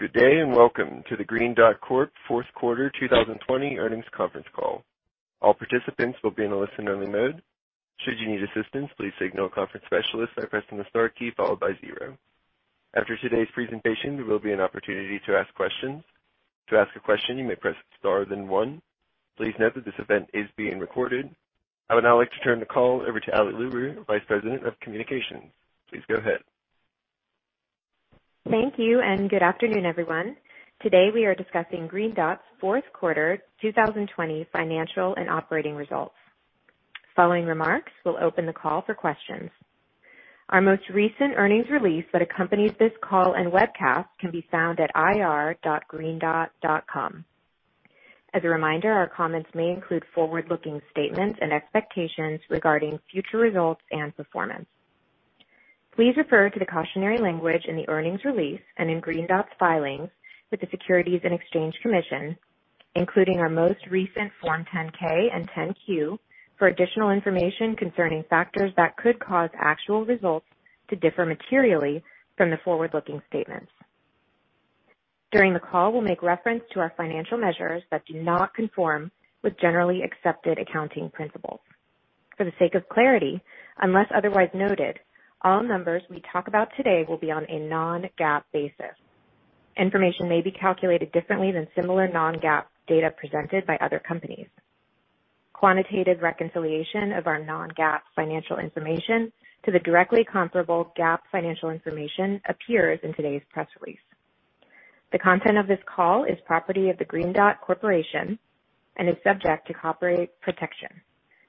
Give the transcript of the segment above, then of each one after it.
Good day and Welcome to the Green Dot Fourth Quarter 2020 Earnings conference Call. All participants will be in a listen-only mode. Should you need assistance, please signal a conference specialist by pressing the star key followed by zero. After today's presentation, there will be an opportunity to ask questions. To ask a question, you may press star then one. Please note that this event is being recorded. I would now like to turn the call over to Alison Lubert, Vice President of Communications. Please go ahead. Thank you and good afternoon, everyone. Today we are discussing Green Dot's fourth quarter 2020 financial and operating results. Following remarks, we'll open the call for questions. Our most recent earnings release that accompanies this call and webcast can be found at ir dot greendot dot com. As a reminder, our comments may include forward-looking statements and expectations regarding future results and performance. Please refer to the cautionary language in the earnings release and in Green Dot's filings with the Securities and Exchange Commission, including our most recent Form 10-K and 10-Q, for additional information concerning factors that could cause actual results to differ materially from the forward-looking statements. During the call, we'll make reference to our financial measures that do not conform with generally accepted accounting principles. For the sake of clarity, unless otherwise noted, all numbers we talk about today will be on a non-GAAP basis. Information may be calculated differently than similar non-GAAP data presented by other companies. Quantitative reconciliation of our non-GAAP financial information to the directly comparable GAAP financial information appears in today's press release. The content of this call is property of Green Dot Corporation and is subject to copyright protection.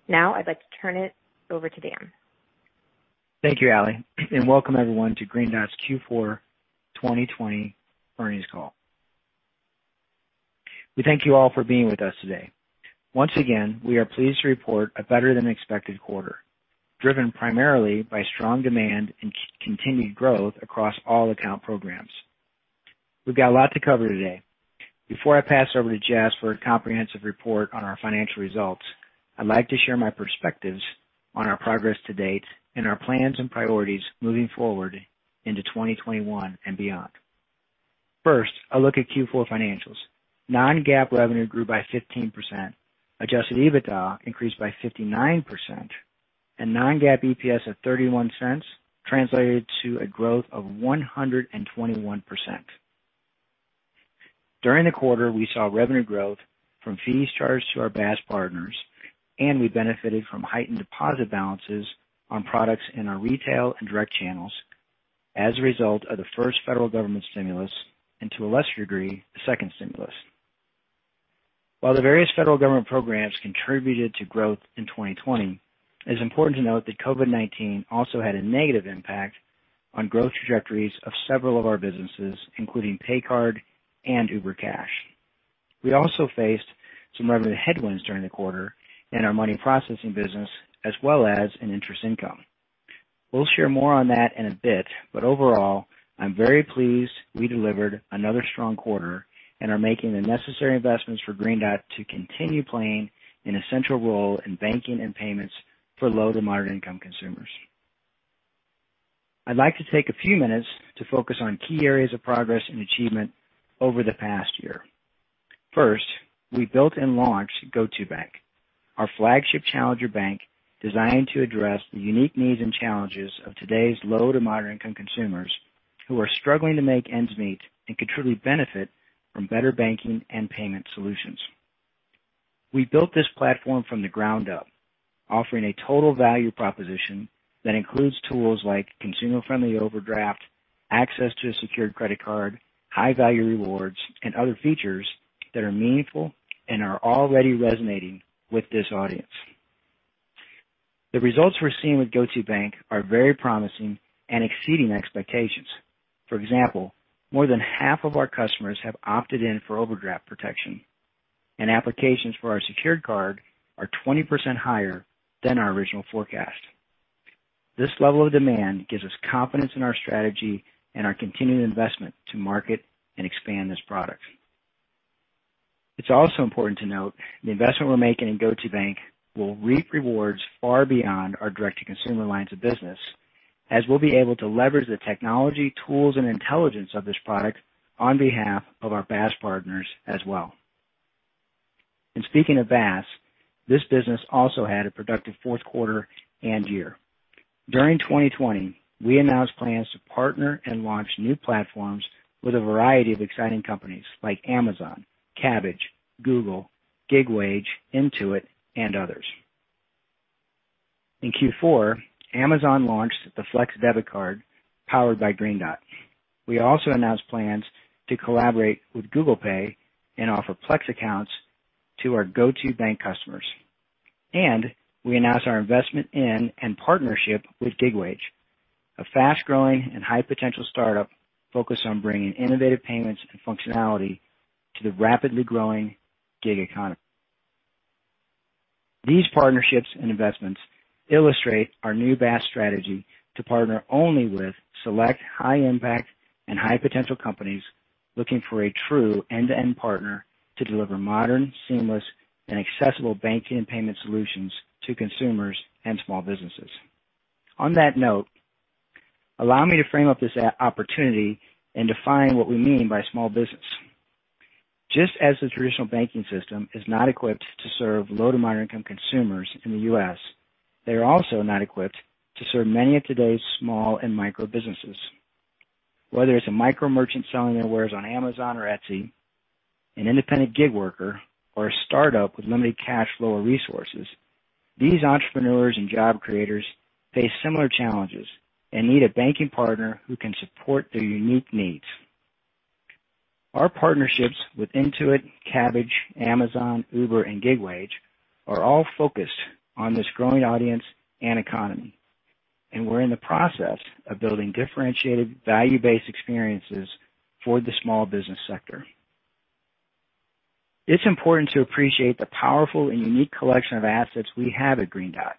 Now I'd like to turn it over to Dan. Thank you, Ali, and welcome everyone to Green Dot's Q4 2020 earnings call. We thank you all for being with us today. Once again, we are pleased to report a better-than-expected quarter, driven primarily by strong demand and continued growth across all account programs. We've got a lot to cover today. Before I pass it over to Jess for a comprehensive report on our financial results, I'd like to share my perspectives on our progress to date and our plans and priorities moving forward into 2021 and beyond. First, a look at Q4 financials. Non-GAAP revenue grew by 15%, Adjusted EBITDA increased by 59%, and non-GAAP EPS of $0.31 translated to a growth of 121%. During the quarter, we saw revenue growth from fees charged to our BaaS partners, and we benefited from heightened deposit balances on products in our retail and direct channels as a result of the first federal government stimulus and, to a lesser degree, the second stimulus. While the various federal government programs contributed to growth in 2020, it is important to note that COVID-19 also had a negative impact on growth trajectories of several of our businesses, including PayCard and Uber Cash. We also faced some revenue headwinds during the quarter in our money processing business, as well as in interest income. We'll share more on that in a bit, but overall, I'm very pleased we delivered another strong quarter and are making the necessary investments for Green Dot to continue playing an essential role in banking and payments for low to moderate-income consumers. I'd like to take a few minutes to focus on key areas of progress and achievement over the past year. First, we built and launched GO2bank, our flagship challenger bank designed to address the unique needs and challenges of today's low to moderate-income consumers who are struggling to make ends meet and could truly benefit from better banking and payment solutions. We built this platform from the ground up, offering a total value proposition that includes tools like consumer-friendly overdraft, access to a secured credit card, high-value rewards, and other features that are meaningful and are already resonating with this audience. The results we're seeing with GO2bank are very promising and exceeding expectations. For example, more than half of our customers have opted in for overdraft protection, and applications for our secured card are 20% higher than our original forecast. This level of demand gives us confidence in our strategy and our continued investment to market and expand this product. It's also important to note the investment we're making in GO2bank will reap rewards far beyond our direct-to-consumer lines of business, as we'll be able to leverage the technology, tools, and intelligence of this product on behalf of our BaaS partners as well. Speaking of BaaS, this business also had a productive fourth quarter and year. During 2020, we announced plans to partner and launch new platforms with a variety of exciting companies like Amazon, Kabbage, Google, GigWage, Intuit, and others. In Q4, Amazon launched the Flex debit card powered by Green Dot. We also announced plans to collaborate with Google Pay and offer Flex accounts to our GO2bank customers. We announced our investment in and partnership with GigWage, a fast-growing and high-potential startup focused on bringing innovative payments and functionality to the rapidly growing gig economy. These partnerships and investments illustrate our new BaaS strategy to partner only with select high-impact and high-potential companies looking for a true end-to-end partner to deliver modern, seamless, and accessible banking and payment solutions to consumers and small businesses. On that note, allow me to frame up this opportunity and define what we mean by small business. Just as the traditional banking system is not equipped to serve low to moderate-income consumers in the U.S., they are also not equipped to serve many of today's small and micro businesses. Whether it's a micro merchant selling their wares on Amazon or Etsy, an independent gig worker, or a startup with limited cash flow or resources, these entrepreneurs and job creators face similar challenges and need a banking partner who can support their unique needs. Our partnerships with Intuit, Kabbage, Amazon, Uber, and GigWage are all focused on this growing audience and economy, and we're in the process of building differentiated value-based experiences for the small business sector. It's important to appreciate the powerful and unique collection of assets we have at Green Dot,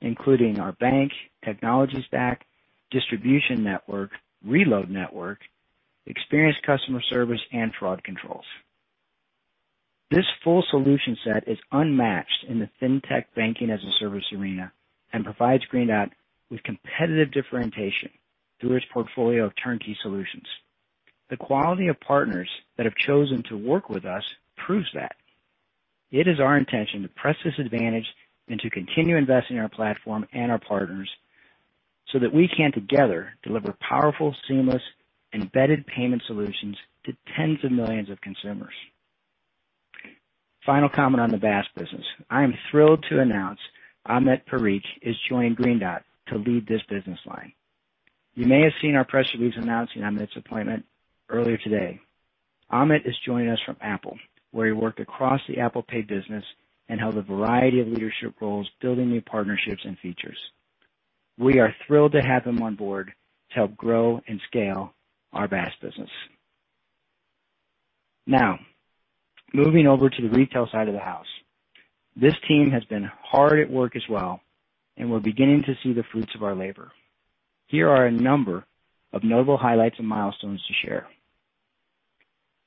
including our bank, technology stack, distribution network, reload network, experienced customer service, and fraud controls. This full solution set is unmatched in the fintech banking as a service arena and provides Green Dot with competitive differentiation through its portfolio of turnkey solutions. The quality of partners that have chosen to work with us proves that. It is our intention to press this advantage and to continue investing in our platform and our partners so that we can together deliver powerful, seamless, embedded payment solutions to tens of millions of consumers. Final comment on the BaaS business. I am thrilled to announce Amit Parikh is joining Green Dot to lead this business line. You may have seen our press release announcing Amit's appointment earlier today. Amit is joining us from Apple, where he worked across the Apple Pay business and held a variety of leadership roles building new partnerships and features. We are thrilled to have him on board to help grow and scale our BaaS business. Now, moving over to the retail side of the house, this team has been hard at work as well, and we're beginning to see the fruits of our labor. Here are a number of notable highlights and milestones to share.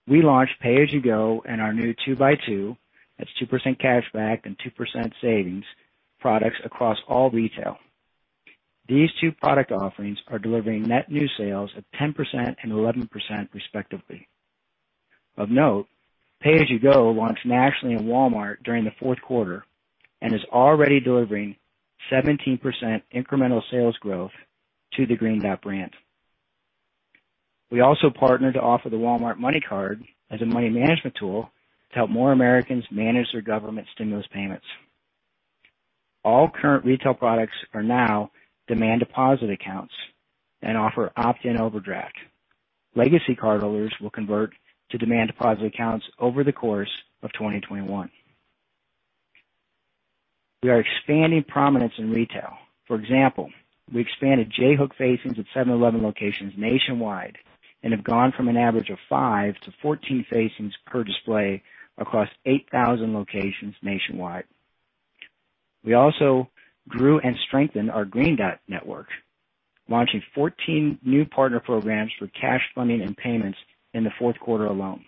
We launched Pay as You Go and our new 2x2, that's 2% cash back and 2% savings, products across all retail. These two product offerings are delivering net new sales of 10% and 11%, respectively. Of note, Pay as You Go launched nationally at Walmart during the fourth quarter and is already delivering 17% incremental sales growth to the Green Dot brand. We also partnered to offer the Walmart MoneyCard as a money management tool to help more Americans manage their government stimulus payments. All current retail products are now demand deposit accounts and offer opt-in overdraft. Legacy cardholders will convert to demand deposit accounts over the course of 2021. We are expanding prominence in retail. For example, we expanded J-hook facings at 7-Eleven locations nationwide and have gone from an average of 5 to 14 facings per display across 8,000 locations nationwide. We also grew and strengthened our Green Dot Network, launching 14 new partner programs for cash funding and payments in the fourth quarter alone.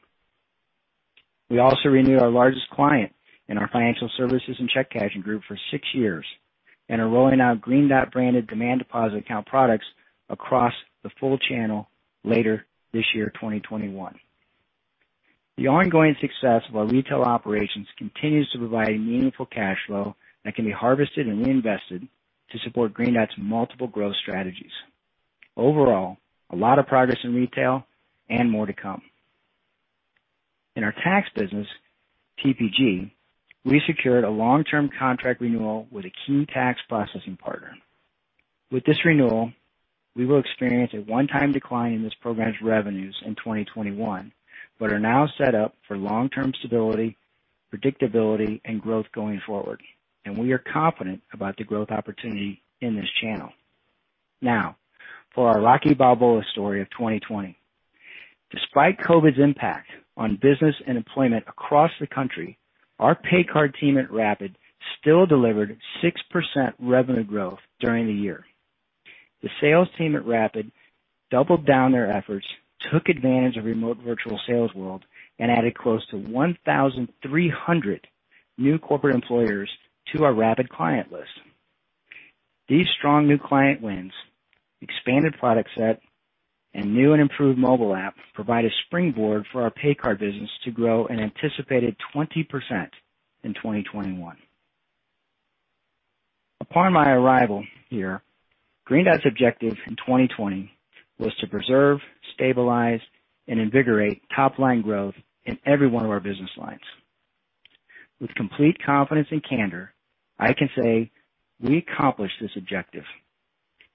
We also renewed our largest client in our financial services and check cashing group for six years and are rolling out Green Dot branded demand deposit account products across the full channel later this year, 2021. The ongoing success of our retail operations continues to provide meaningful Cash flow that can be harvested and reinvested to support Green Dot's multiple growth strategies. Overall, a lot of progress in retail and more to come. In our tax business, TPG, we secured a long-term contract renewal with a key tax processing partner. With this renewal, we will experience a one-time decline in this program's revenues in 2021, but are now set up for long-term stability, predictability, and growth going forward, and we are confident about the growth opportunity in this channel. Now, for our Rocky Balboa story of 2020. Despite COVID's impact on business and employment across the country, our PayCard team at Rapid! still delivered 6% revenue growth during the year. The sales team at Rapid! doubled down their efforts, took advantage of the remote virtual sales world, and added close to 1,300 new corporate employers to our Rapid! client list. These strong new client wins, expanded product set, and new and improved mobile app provide a springboard for our PayCard business to grow an anticipated 20% in 2021. Upon my arrival here, Green Dot's objective in 2020 was to preserve, stabilize, and invigorate top-line growth in every one of our business lines. With complete confidence and candor, I can say we accomplished this objective.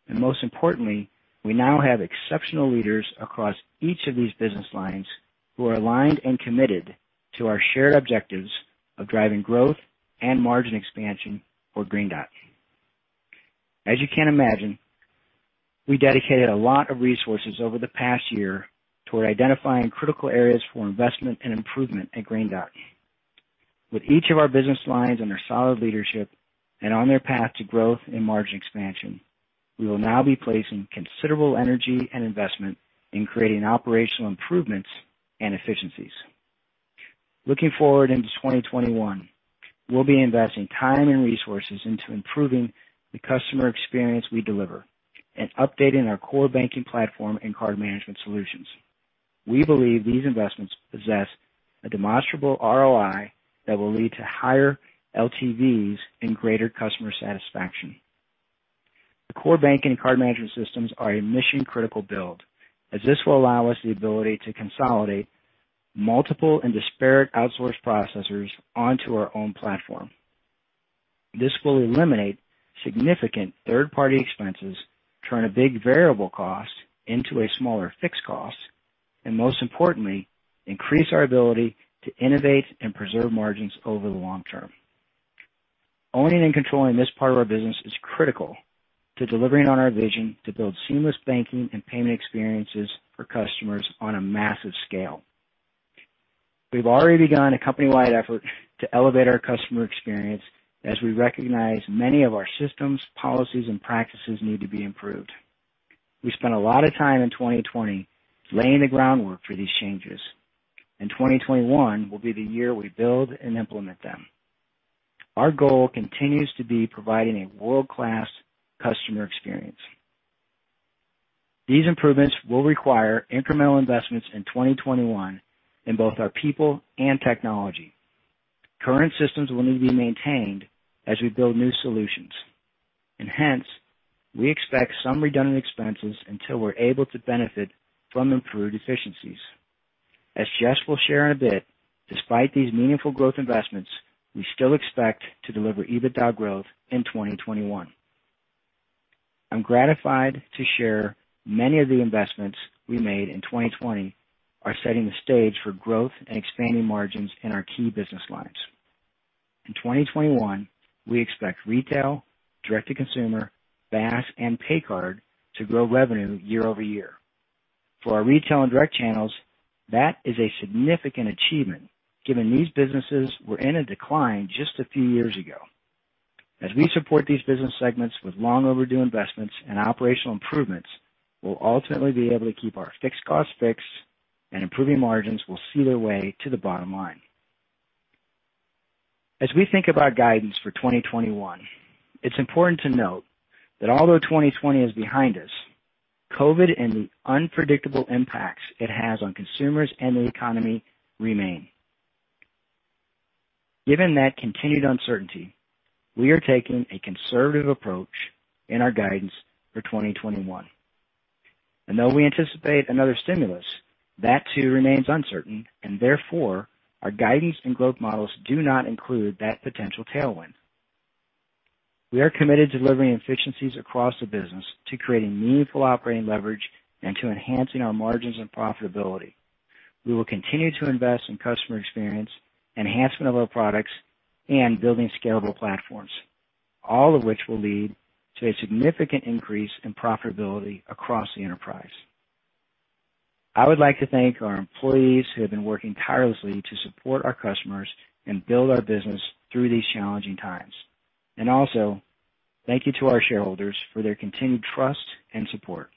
Most importantly, we now have exceptional leaders across each of these business lines who are aligned and committed to our shared objectives of driving growth and margin expansion for Green Dot. As you can imagine, we dedicated a lot of resources over the past year toward identifying critical areas for investment and improvement at Green Dot. With each of our business lines under solid leadership and on their path to growth and margin expansion, we will now be placing considerable energy and investment in creating operational improvements and efficiencies. Looking forward into 2021, we'll be investing time and resources into improving the customer experience we deliver and updating our core banking platform and card management solutions. We believe these investments possess a demonstrable ROI that will lead to higher LTVs and greater customer satisfaction. The core banking and card management systems are a mission-critical build, as this will allow us the ability to consolidate multiple and disparate outsourced processors onto our own platform. This will eliminate significant third-party expenses, turn a big variable cost into a smaller fixed cost, and most importantly, increase our ability to innovate and preserve margins over the long term. Owning and controlling this part of our business is critical to delivering on our vision to build seamless banking and payment experiences for customers on a massive scale. have already begun a company-wide effort to elevate our customer experience as we recognize many of our systems, policies, and practices need to be improved. We spent a lot of time in 2020 laying the groundwork for these changes, and 2021 will be the year we build and implement them. Our goal continues to be providing a world-class customer experience. These improvements will require incremental investments in 2021 in both our people and technology. Current systems will need to be maintained as we build new solutions. Hence, we expect some redundant expenses until we are able to benefit from improved efficiencies. As Jess will share in a bit, despite these meaningful growth investments, we still expect to deliver even that growth in 2021. I am gratified to share many of the investments we made in 2020 are setting the stage for growth and expanding margins in our key business lines. In 2021, we expect retail, direct-to-consumer, BaaS, and PayCard to grow revenue year- over- year. For our retail and direct channels, that is a significant achievement given these businesses were in a decline just a few years ago. As we support these business segments with long-overdue investments and operational improvements, we'll ultimately be able to keep our fixed costs fixed, and improving margins will see their way to the bottom line. As we think about guidance for 2021, it's important to note that although 2020 is behind us, COVID and the unpredictable impacts it has on consumers and the economy remain. Given that continued uncertainty, we are taking a conservative approach in our guidance for 2021. Though we anticipate another stimulus, that too remains uncertain, and therefore our guidance and growth models do not include that potential tailwind. We are committed to delivering efficiencies across the business to creating meaningful operating leverage and to enhancing our margins and profitability. We will continue to invest in customer experience, enhancement of our products, and building scalable platforms, all of which will lead to a significant increase in profitability across the enterprise. I would like to thank our employees who have been working tirelessly to support our customers and build our business through these challenging times. Thank you to our shareholders for their continued trust and support.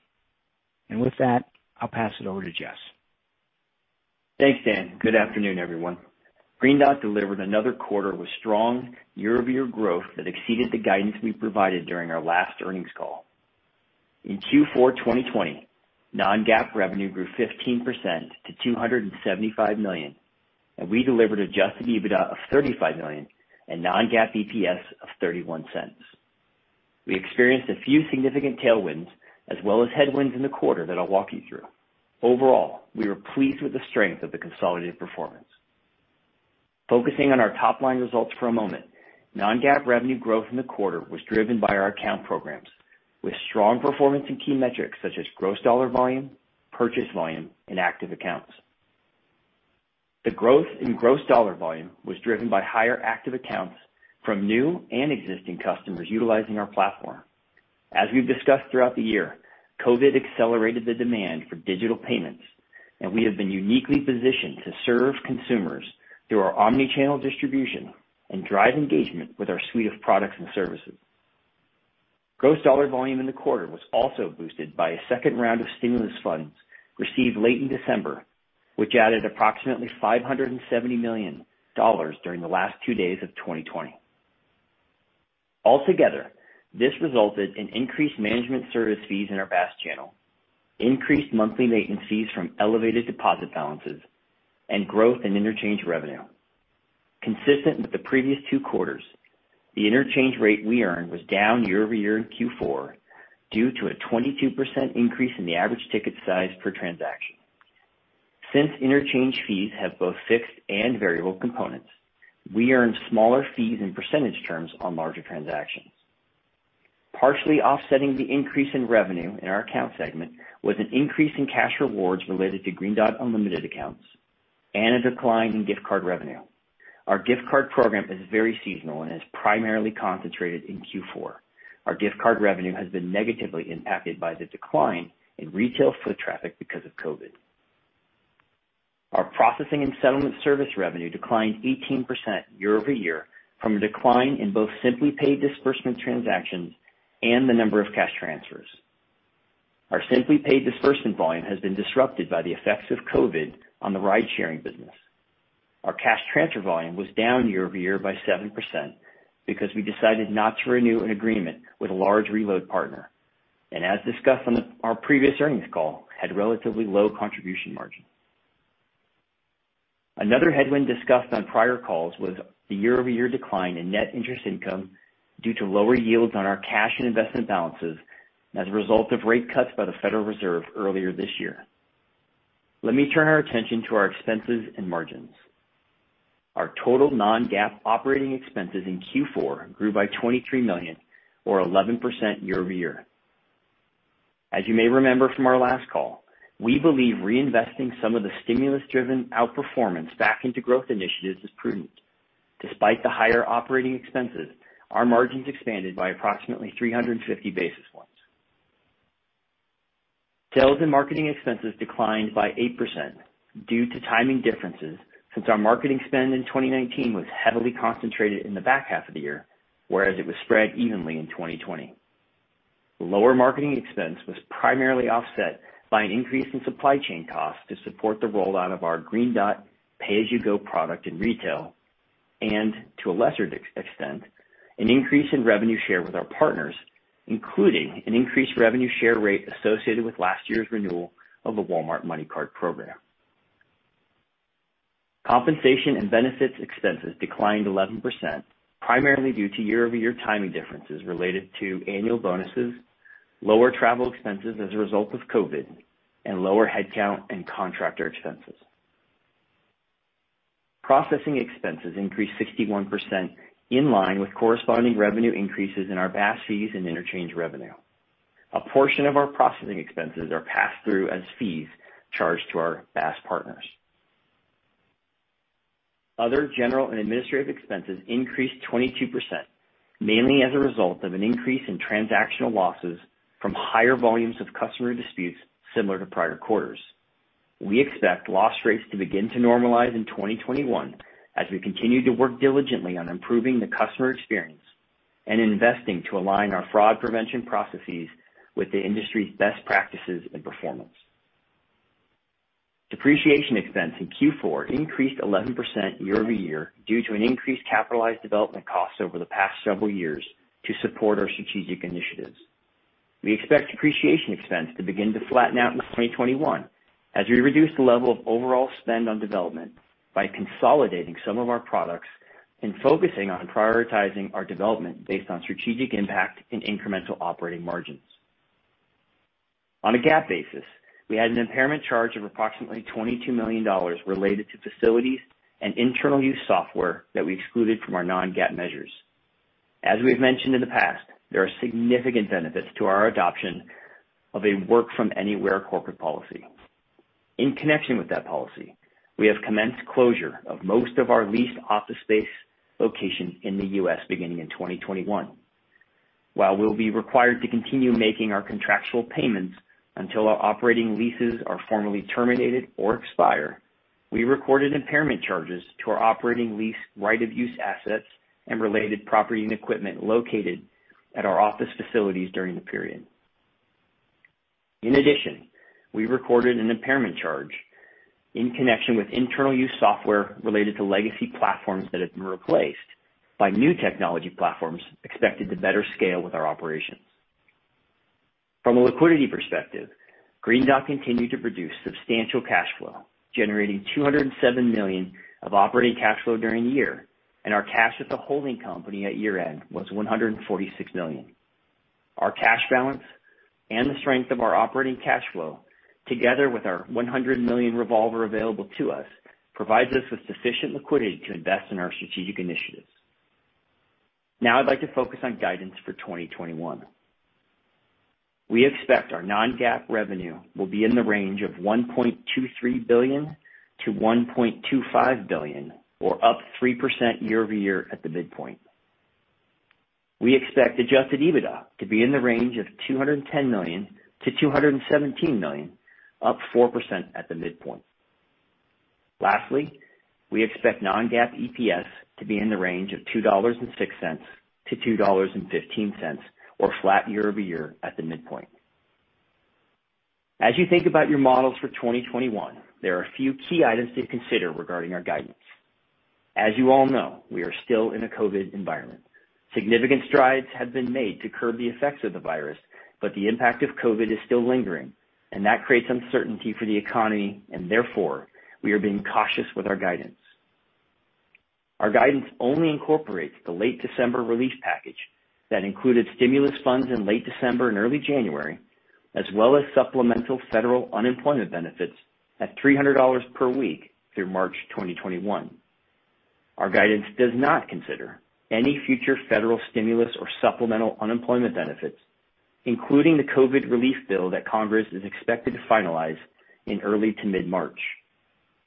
With that, I'll pass it over to Jess. Thanks, Dan. Good afternoon, everyone. Green Dot delivered another quarter with strong year-over-year growth that exceeded the guidance we provided during our last earnings call. In Q4 2020, non-GAAP revenue grew 15% to $275 million, and we delivered Adjusted EBITDA of $35 million and non-GAAP EPS of $0.31. We experienced a few significant tailwinds as well as headwinds in the quarter that I'll walk you through. Overall, we were pleased with the strength of the consolidated performance. Focusing on our top-line results for a moment, non-GAAP revenue growth in the quarter was driven by our account programs, with strong performance and key metrics such as gross dollar volume, purchase volume, and active accounts. The growth in gross dollar volume was driven by higher active accounts from new and existing customers utilizing our platform. As we've discussed throughout the year, COVID accelerated the demand for digital payments, and we have been uniquely positioned to serve consumers through our omnichannel distribution and drive engagement with our suite of products and services. Gross dollar volume in the quarter was also boosted by a second round of stimulus funds received late in December, which added approximately $570 million during the last two days of 2020. Altogether, this resulted in increased management service fees in our BaaS channel, increased monthly maintenance fees from elevated deposit balances, and growth in interchange revenue. Consistent with the previous two quarters, the interchange rate we earned was down year over year in Q4 due to a 22% increase in the average ticket size per transaction. Since interchange fees have both fixed and variable components, we earned smaller fees in percentage terms on larger transactions. Partially offsetting the increase in revenue in our account segment was an increase in cash rewards related to Green Dot Unlimited accounts and a decline in gift card revenue. Our gift card program is very seasonal and is primarily concentrated in Q4. Our gift card revenue has been negatively impacted by the decline in retail foot traffic because of COVID. Our processing and settlement service revenue declined 18% year over year from a decline in both SimplyPaid disbursement transactions and the number of cash transfers. Our SimplyPaid disbursement volume has been disrupted by the effects of COVID on the ride-sharing business. Our cash transfer volume was down year over year by 7% because we decided not to renew an agreement with a large reload partner, and as discussed on our previous earnings call, had relatively low contribution margins. Another headwind discussed on prior calls was the year-over-year decline in net interest income due to lower yields on our cash and investment balances as a result of rate cuts by the Federal Reserve earlier this year. Let me turn our attention to our expenses and margins. Our total non-GAAP operating expenses in Q4 grew by $23 million, or 11% year over year. As you may remember from our last call, we believe reinvesting some of the stimulus-driven outperformance back into growth initiatives is prudent. Despite the higher operating expenses, our margins expanded by approximately 350 basis points. Sales and marketing expenses declined by 8% due to timing differences since our marketing spend in 2019 was heavily concentrated in the back half of the year, whereas it was spread evenly in 2020. Lower marketing expense was primarily offset by an increase in supply chain costs to support the rollout of our Green Dot Pay as You Go product in retail, and to a lesser extent, an increase in revenue share with our partners, including an increased revenue share rate associated with last year's renewal of the Walmart MoneyCard program. Compensation and benefits expenses declined 11%, primarily due to year-over-year timing differences related to annual bonuses, lower travel expenses as a result of COVID, and lower headcount and contractor expenses. Processing expenses increased 61% in line with corresponding revenue increases in our BaaS fees and interchange revenue. A portion of our processing expenses are passed through as fees charged to our BaaS partners. Other general and administrative expenses increased 22%, mainly as a result of an increase in transactional losses from higher volumes of customer disputes similar to prior quarters. We expect loss rates to begin to normalize in 2021 as we continue to work diligently on improving the customer experience and investing to align our fraud prevention processes with the industry's best practices and performance. Depreciation expense in Q4 increased 11% year over year due to an increased capitalized development cost over the past several years to support our strategic initiatives. We expect depreciation expense to begin to flatten out in 2021 as we reduce the level of overall spend on development by consolidating some of our products and focusing on prioritizing our development based on strategic impact and incremental operating margins. On a GAAP basis, we had an impairment charge of approximately $22 million related to facilities and internal use software that we excluded from our non-GAAP measures. As we've mentioned in the past, there are significant benefits to our adoption of a work-from-anywhere corporate policy. In connection with that policy, we have commenced closure of most of our leased office space locations in the U.S. beginning in 2021. While we'll be required to continue making our contractual payments until our operating leases are formally terminated or expire, we recorded impairment charges to our operating lease right-of-use assets and related property and equipment located at our office facilities during the period. In addition, we recorded an impairment charge in connection with internal use software related to legacy platforms that have been replaced by new technology platforms expected to better scale with our operations. From a liquidity perspective, Green Dot continued to produce substantial Cash flow, generating $207 million of Operating cash flow during the year, or up 3% year over year at the midpoint. We expect Adjusted EBITDA to be in the range of $210 million-$217 million, up 4% at the midpoint. Lastly, we expect non-GAAP EPS to be in the range of $2.06-$2.15, or flat year- over- year at the midpoint. As you think about your models for 2021, there are a few key items to consider regarding our guidance. As you all know, we are still in a COVID environment. Significant strides have been made to curb the effects of the virus, but the impact of COVID is still lingering, and that creates uncertainty for the economy, and therefore, we are being cautious with our guidance. Our guidance only incorporates the late December relief package that included stimulus funds in late December and early January, as well as supplemental federal unemployment benefits at $300 per week through March 2021. Our guidance does not consider any future federal stimulus or supplemental unemployment benefits, including the COVID relief bill that Congress is expected to finalize in early to mid-March.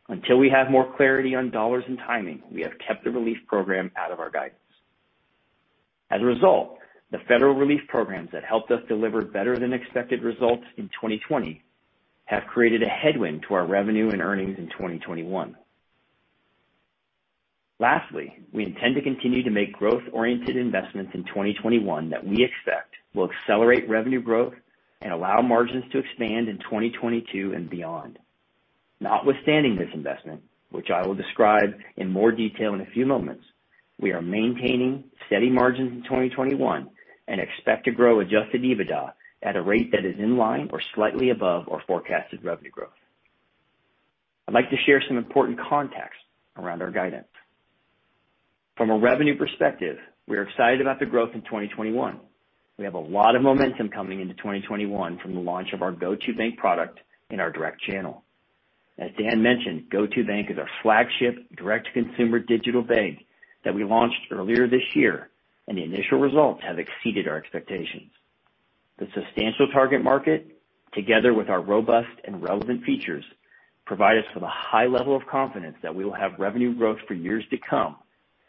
Until we have more clarity on dollars and timing, we have kept the relief program out of our guidance. As a result, the federal relief programs that helped us deliver better-than-expected results in 2020 have created a headwind to our revenue and earnings in 2021. Lastly, we intend to continue to make growth-oriented investments in 2021 that we expect will accelerate revenue growth and allow margins to expand in 2022 and beyond. Notwithstanding this investment, which I will describe in more detail in a few moments, we are maintaining steady margins in 2021 and expect to grow Adjusted EBITDA at a rate that is in line or slightly above our forecasted revenue growth. I'd like to share some important context around our guidance. From a revenue perspective, we are excited about the growth in 2021. We have a lot of momentum coming into 2021 from the launch of our GO2bank product in our direct channel. As Dan mentioned, GO2bank is our flagship direct-to-consumer digital bank that we launched earlier this year, and the initial results have exceeded our expectations. The substantial target market, together with our robust and relevant features, provides us with a high level of confidence that we will have revenue growth for years to come,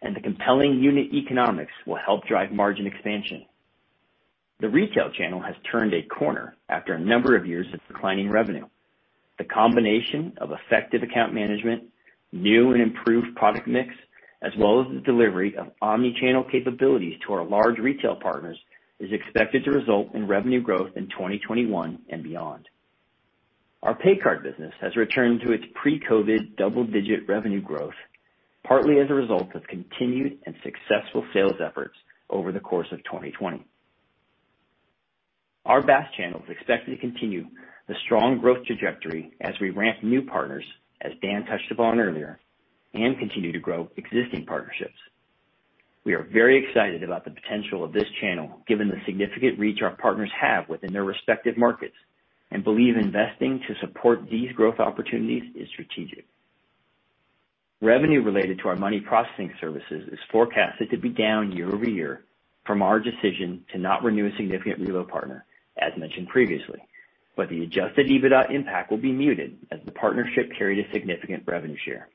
and the compelling unit economics will help drive margin expansion. The retail channel has turned a corner after a number of years of declining revenue. The combination of effective account management, new and improved product mix, as well as the delivery of omnichannel capabilities to our large retail partners is expected to result in revenue growth in 2021 and beyond. Our pay card business has returned to its pre-COVID double-digit revenue growth, partly as a result of continued and successful sales efforts over the course of 2020. Our BaaS channel is expected to continue the strong growth trajectory as we ramp new partners, as Dan touched upon earlier, and continue to grow existing partnerships. We are very excited about the potential of this channel given the significant reach our partners have within their respective markets and believe investing to support these growth opportunities is strategic. Revenue related to our money processing services is forecasted to be down year over year from our decision to not renew a significant reload partner, as mentioned previously, but the Adjusted EBITDA impact will be muted as the partnership carried a significant revenue share.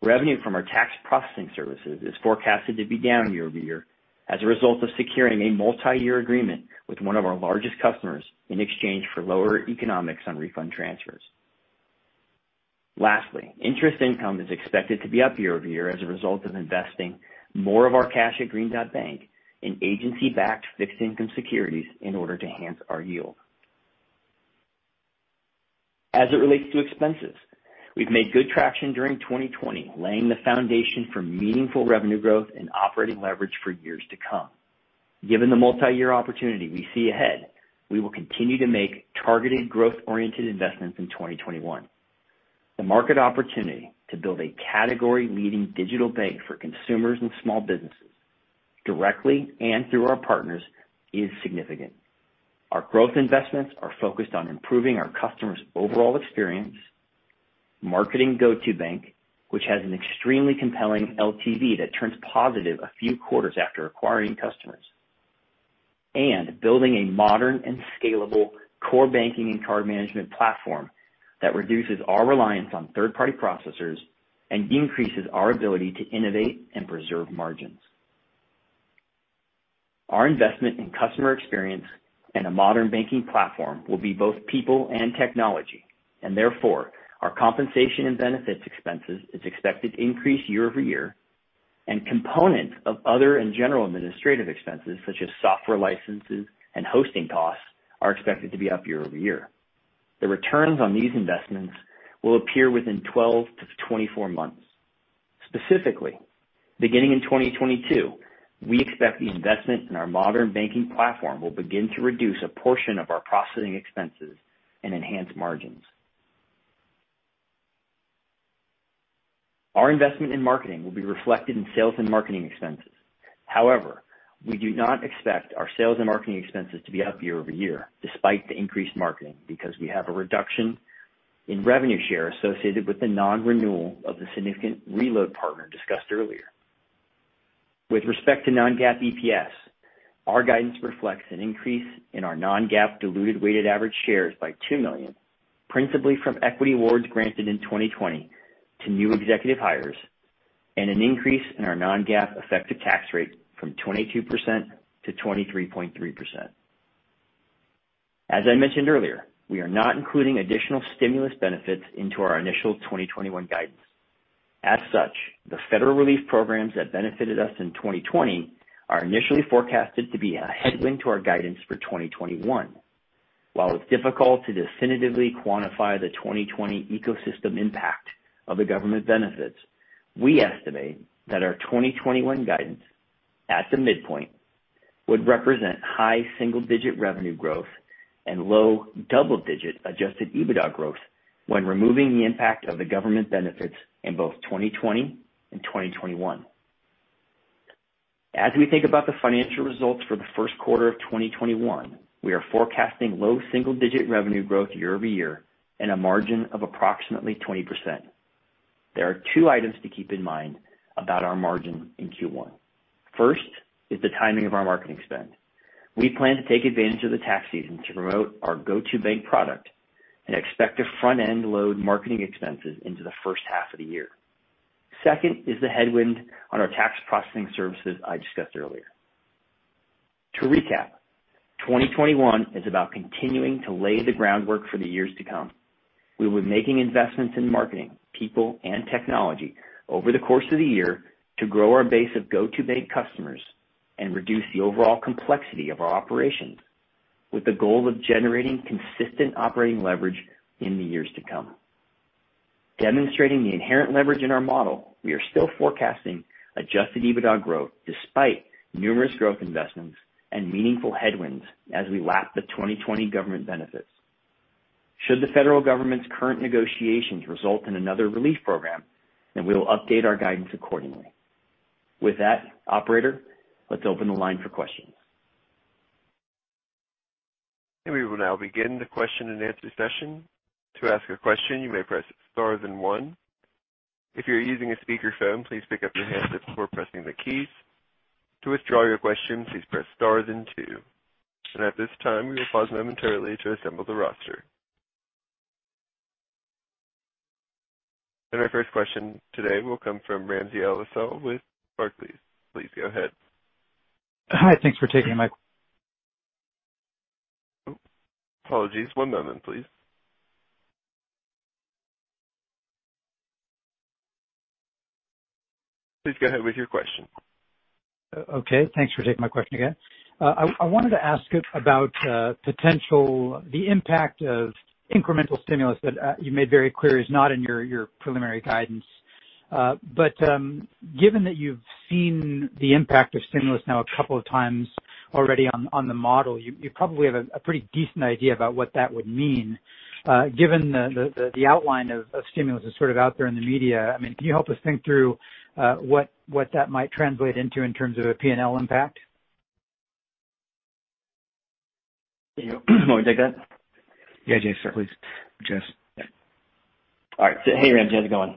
Revenue from our tax processing services is forecasted to be down year over year as a result of securing a multi-year agreement with one of our largest customers in exchange for lower economics on refund transfers. Lastly, interest income is expected to be up year over year as a result of investing more of our cash at Green Dot Bank in agency-backed fixed income securities in order to enhance our yield. As it relates to expenses, we've made good traction during 2020, laying the foundation for meaningful revenue growth and operating leverage for years to come. Given the multi-year opportunity we see ahead, we will continue to make targeted growth-oriented investments in 2021. The market opportunity to build a category-leading digital bank for consumers and small businesses directly and through our partners is significant. Our growth investments are focused on improving our customers' overall experience, marketing GO2bank, which has an extremely compelling LTV that turns positive a few quarters after acquiring customers, and building a modern and scalable core banking and card management platform that reduces our reliance on third-party processors and increases our ability to innovate and preserve margins. Our investment in customer experience and a modern banking platform will be both people and technology, and therefore, our compensation and benefits expenses are expected to increase year over year, and components of other and general administrative expenses such as software licenses and hosting costs are expected to be up year over year. The returns on these investments will appear within 12 to 24 months. Specifically, beginning in 2022, we expect the investment in our modern banking platform will begin to reduce a portion of our processing expenses and enhance margins. Our investment in marketing will be reflected in sales and marketing expenses. However, we do not expect our sales and marketing expenses to be up year over year despite the increased marketing because we have a reduction in revenue share associated with the non-renewal of the significant reload partner discussed earlier. With respect to non-GAAP EPS, our guidance reflects an increase in our non-GAAP diluted weighted average shares by 2 million, principally from equity awards granted in 2020 to new executive hires, and an increase in our non-GAAP effective tax rate from 22% to 23.3%. As I mentioned earlier, we are not including additional stimulus benefits into our initial 2021 guidance. As such, the federal relief programs that benefited us in 2020 are initially forecasted to be a headwind to our guidance for 2021. While it's difficult to definitively quantify the 2020 ecosystem impact of the government benefits, we estimate that our 2021 guidance at the midpoint would represent high single-digit revenue growth and low double-digit Adjusted EBITDA growth when removing the impact of the government benefits in both 2020 and 2021. As we think about the financial results for the first quarter of 2021, we are forecasting low single-digit revenue growth year over year and a margin of approximately 20%. There are two items to keep in mind about our margin in Q1. First is the timing of our marketing spend. We plan to take advantage of the tax season to promote our GO2bank product and expect to front-end load marketing expenses into the first half of the year. Second is the headwind on our tax processing services I discussed earlier. To recap, 2021 is about continuing to lay the groundwork for the years to come. We will be making investments in marketing, people, and technology over the course of the year to grow our base of GO2bank customers and reduce the overall complexity of our operations with the goal of generating consistent operating leverage in the years to come. Demonstrating the inherent leverage in our model, we are still forecasting Adjusted EBITDA growth despite numerous growth investments and meaningful headwinds as we lap the 2020 government benefits. Should the federal government's current negotiations result in another relief program, then we will update our guidance accordingly. With that, Operator, let's open the line for questions. We will now begin the question and answer session. To ask a question, you may press stars and one. If you're using a speakerphone, please pick up your hands before pressing the keys. To withdraw your question, please press star and two. At this time, we will pause momentarily to assemble the roster. Our first question today will come from Ramsey El-Assal with Barclays. Please go ahead. Hi. Thanks for taking the mic. Apologies. One moment, please. Please go ahead with your question. Okay. Thanks for taking my question again. I wanted to ask about the impact of incremental stimulus that you made very clear is not in your preliminary guidance. Given that you've seen the impact of stimulus now a couple of times already on the model, you probably have a pretty decent idea about what that would mean. Given the outline of stimulus that's sort of out there in the media, I mean, can you help us think through what that might translate into in terms of a P&L impact? You want me to take that? Yeah. Jess please. Jess. All right. Hey, Ramsey. How's it going?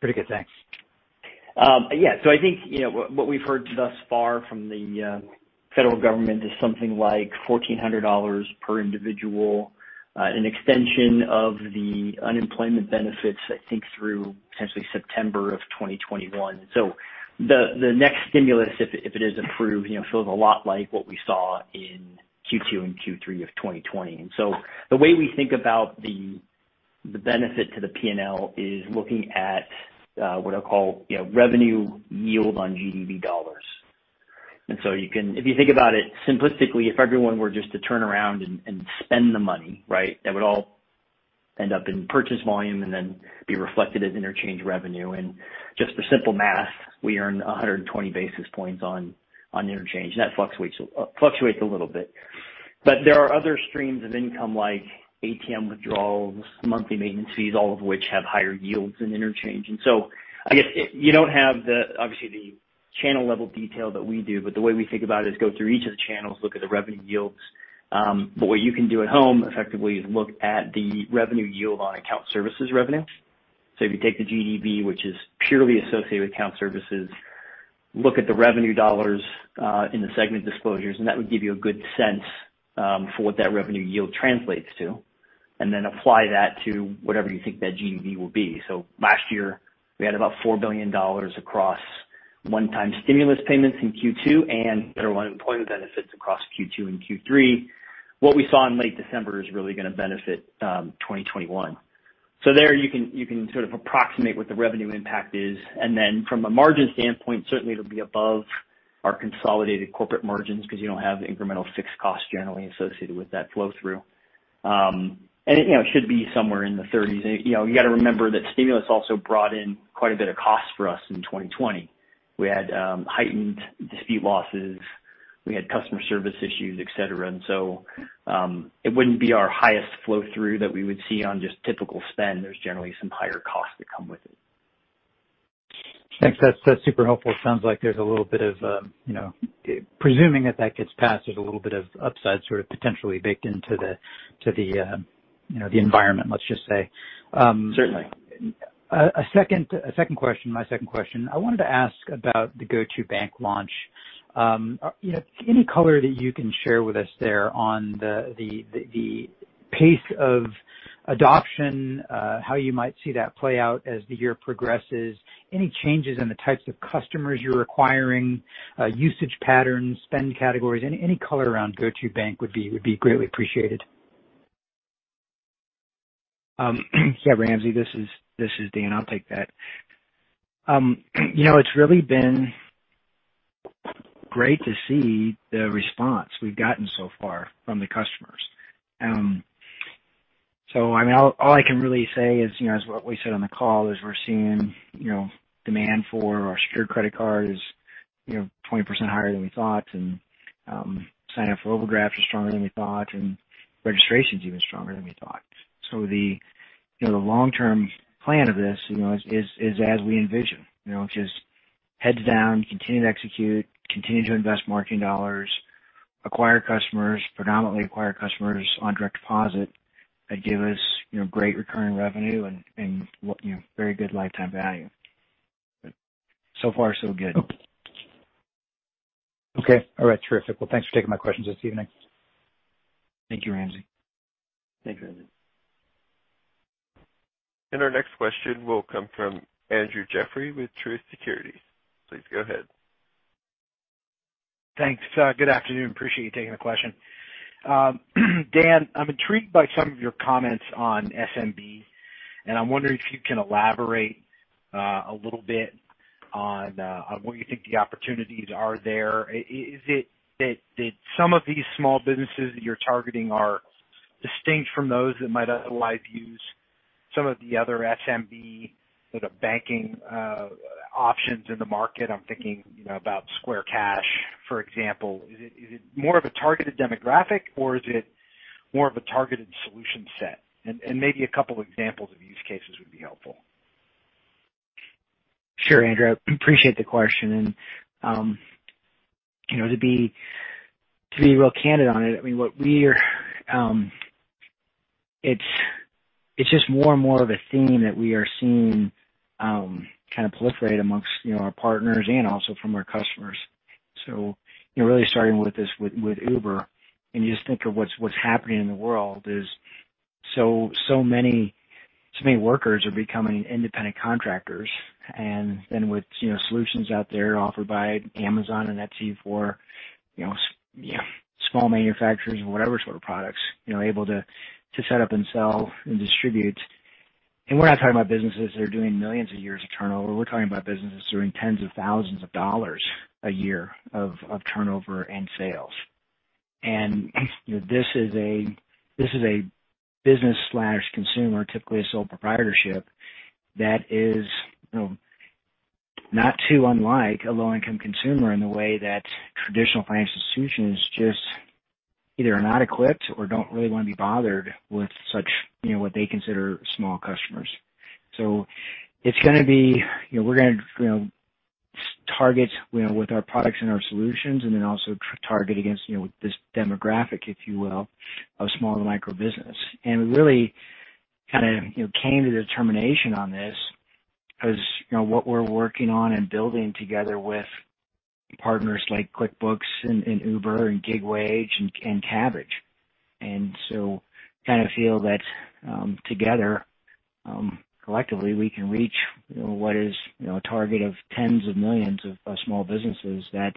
Pretty good. Thanks. Yeah. I think what we've heard thus far from the federal government is something like $1,400 per individual, an extension of the unemployment benefits, I think, through potentially September of 2021. The next stimulus, if it is approved, feels a lot like what we saw in Q2 and Q3 of 2020. The way we think about the benefit to the P&L is looking at what I'll call revenue yield on GDP dollars. If you think about it simplistically, if everyone were just to turn around and spend the money, right, that would all end up in purchase volume and then be reflected as interchange revenue. Just for simple math, we earn 120 basis points on interchange. That fluctuates a little bit. There are other streams of income like ATM withdrawals, monthly maintenance fees, all of which have higher yields than interchange. I guess you do not have, obviously, the channel-level detail that we do, but the way we think about it is go through each of the channels, look at the revenue yields. What you can do at home effectively is look at the revenue yield on account services revenue. If you take the GDV, which is purely associated with account services, look at the revenue dollars in the segment disclosures, and that would give you a good sense for what that revenue yield translates to, and then apply that to whatever you think that GDV will be. Last year, we had about $4 billion across one-time stimulus payments in Q2 and federal unemployment benefits across Q2 and Q3. What we saw in late December is really going to benefit 2021. There you can sort of approximate what the revenue impact is. From a margin standpoint, certainly it'll be above our consolidated corporate margins because you do not have incremental fixed costs generally associated with that flow-through. It should be somewhere in the 30s. You got to remember that stimulus also brought in quite a bit of costs for us in 2020. We had heightened dispute losses. We had customer service issues, etc. It would not be our highest flow-through that we would see on just typical spend. There are generally some higher costs that come with it. Thanks. That is super helpful. It sounds like there is a little bit of, presuming that that gets passed, there is a little bit of upside sort of potentially baked into the environment, let us just say. Certainly. A second question, my second question. I wanted to ask about the GO2bank launch. Any color that you can share with us there on the pace of adoption, how you might see that play out as the year progresses, any changes in the types of customers you are acquiring, usage patterns, spend categories? Any color around GO2bank would be greatly appreciated. Yeah. Ramsey, this is Dan. I will take that. It's really been great to see the response we've gotten so far from the customers. I mean, all I can really say is, as what we said on the call, we're seeing demand for our secured credit card is 20% higher than we thought, and sign-up for Overdraft is stronger than we thought, and registration is even stronger than we thought. The long-term plan of this is as we envision. It's just heads down, continue to execute, continue to invest marketing dollars, acquire customers, predominantly acquire customers on direct deposit. That'd give us great recurring revenue and very good lifetime value. So far, so good. Okay. All right. Terrific. Thanks for taking my questions this evening. Thank you, Ramsey. Thanks, Ramsey. Our next question will come from Andrew W. Jeffrey with Truist Securities. Please go ahead. Thanks. Good afternoon. Appreciate you taking the question. Dan, I'm intrigued by some of your comments on SMB, and I'm wondering if you can elaborate a little bit on what you think the opportunities are there. Is it that some of these small businesses that you're targeting are distinct from those that might otherwise use some of the other SMB sort of banking options in the market? I'm thinking about Square Cash, for example. Is it more of a targeted demographic, or is it more of a targeted solution set? Maybe a couple of examples of use cases would be helpful. Sure, Andrew. I appreciate the question. To be real candid on it, I mean, it's just more and more of a theme that we are seeing kind of proliferate amongst our partners and also from our customers. Really starting with this with Uber, and you just think of what's happening in the world is so many workers are becoming independent contractors. Then with solutions out there offered by Amazon and Etsy for small manufacturers of whatever sort of products, able to set up and sell and distribute. We're not talking about businesses that are doing millions of years of turnover. We're talking about businesses doing tens of thousands of dollars a year of turnover and sales. This is a business/consumer, typically a sole proprietorship, that is not too unlike a low-income consumer in the way that traditional financial institutions just either are not equipped or do not really want to be bothered with what they consider small customers. It's going to be we're going to target with our products and our solutions and then also target against this demographic, if you will, of small and micro business. We really kind of came to the determination on this because what we're working on and building together with partners like QuickBooks and Uber and GigWage and Kabbage. Kind of feel that together, collectively, we can reach what is a target of tens of millions of small businesses that,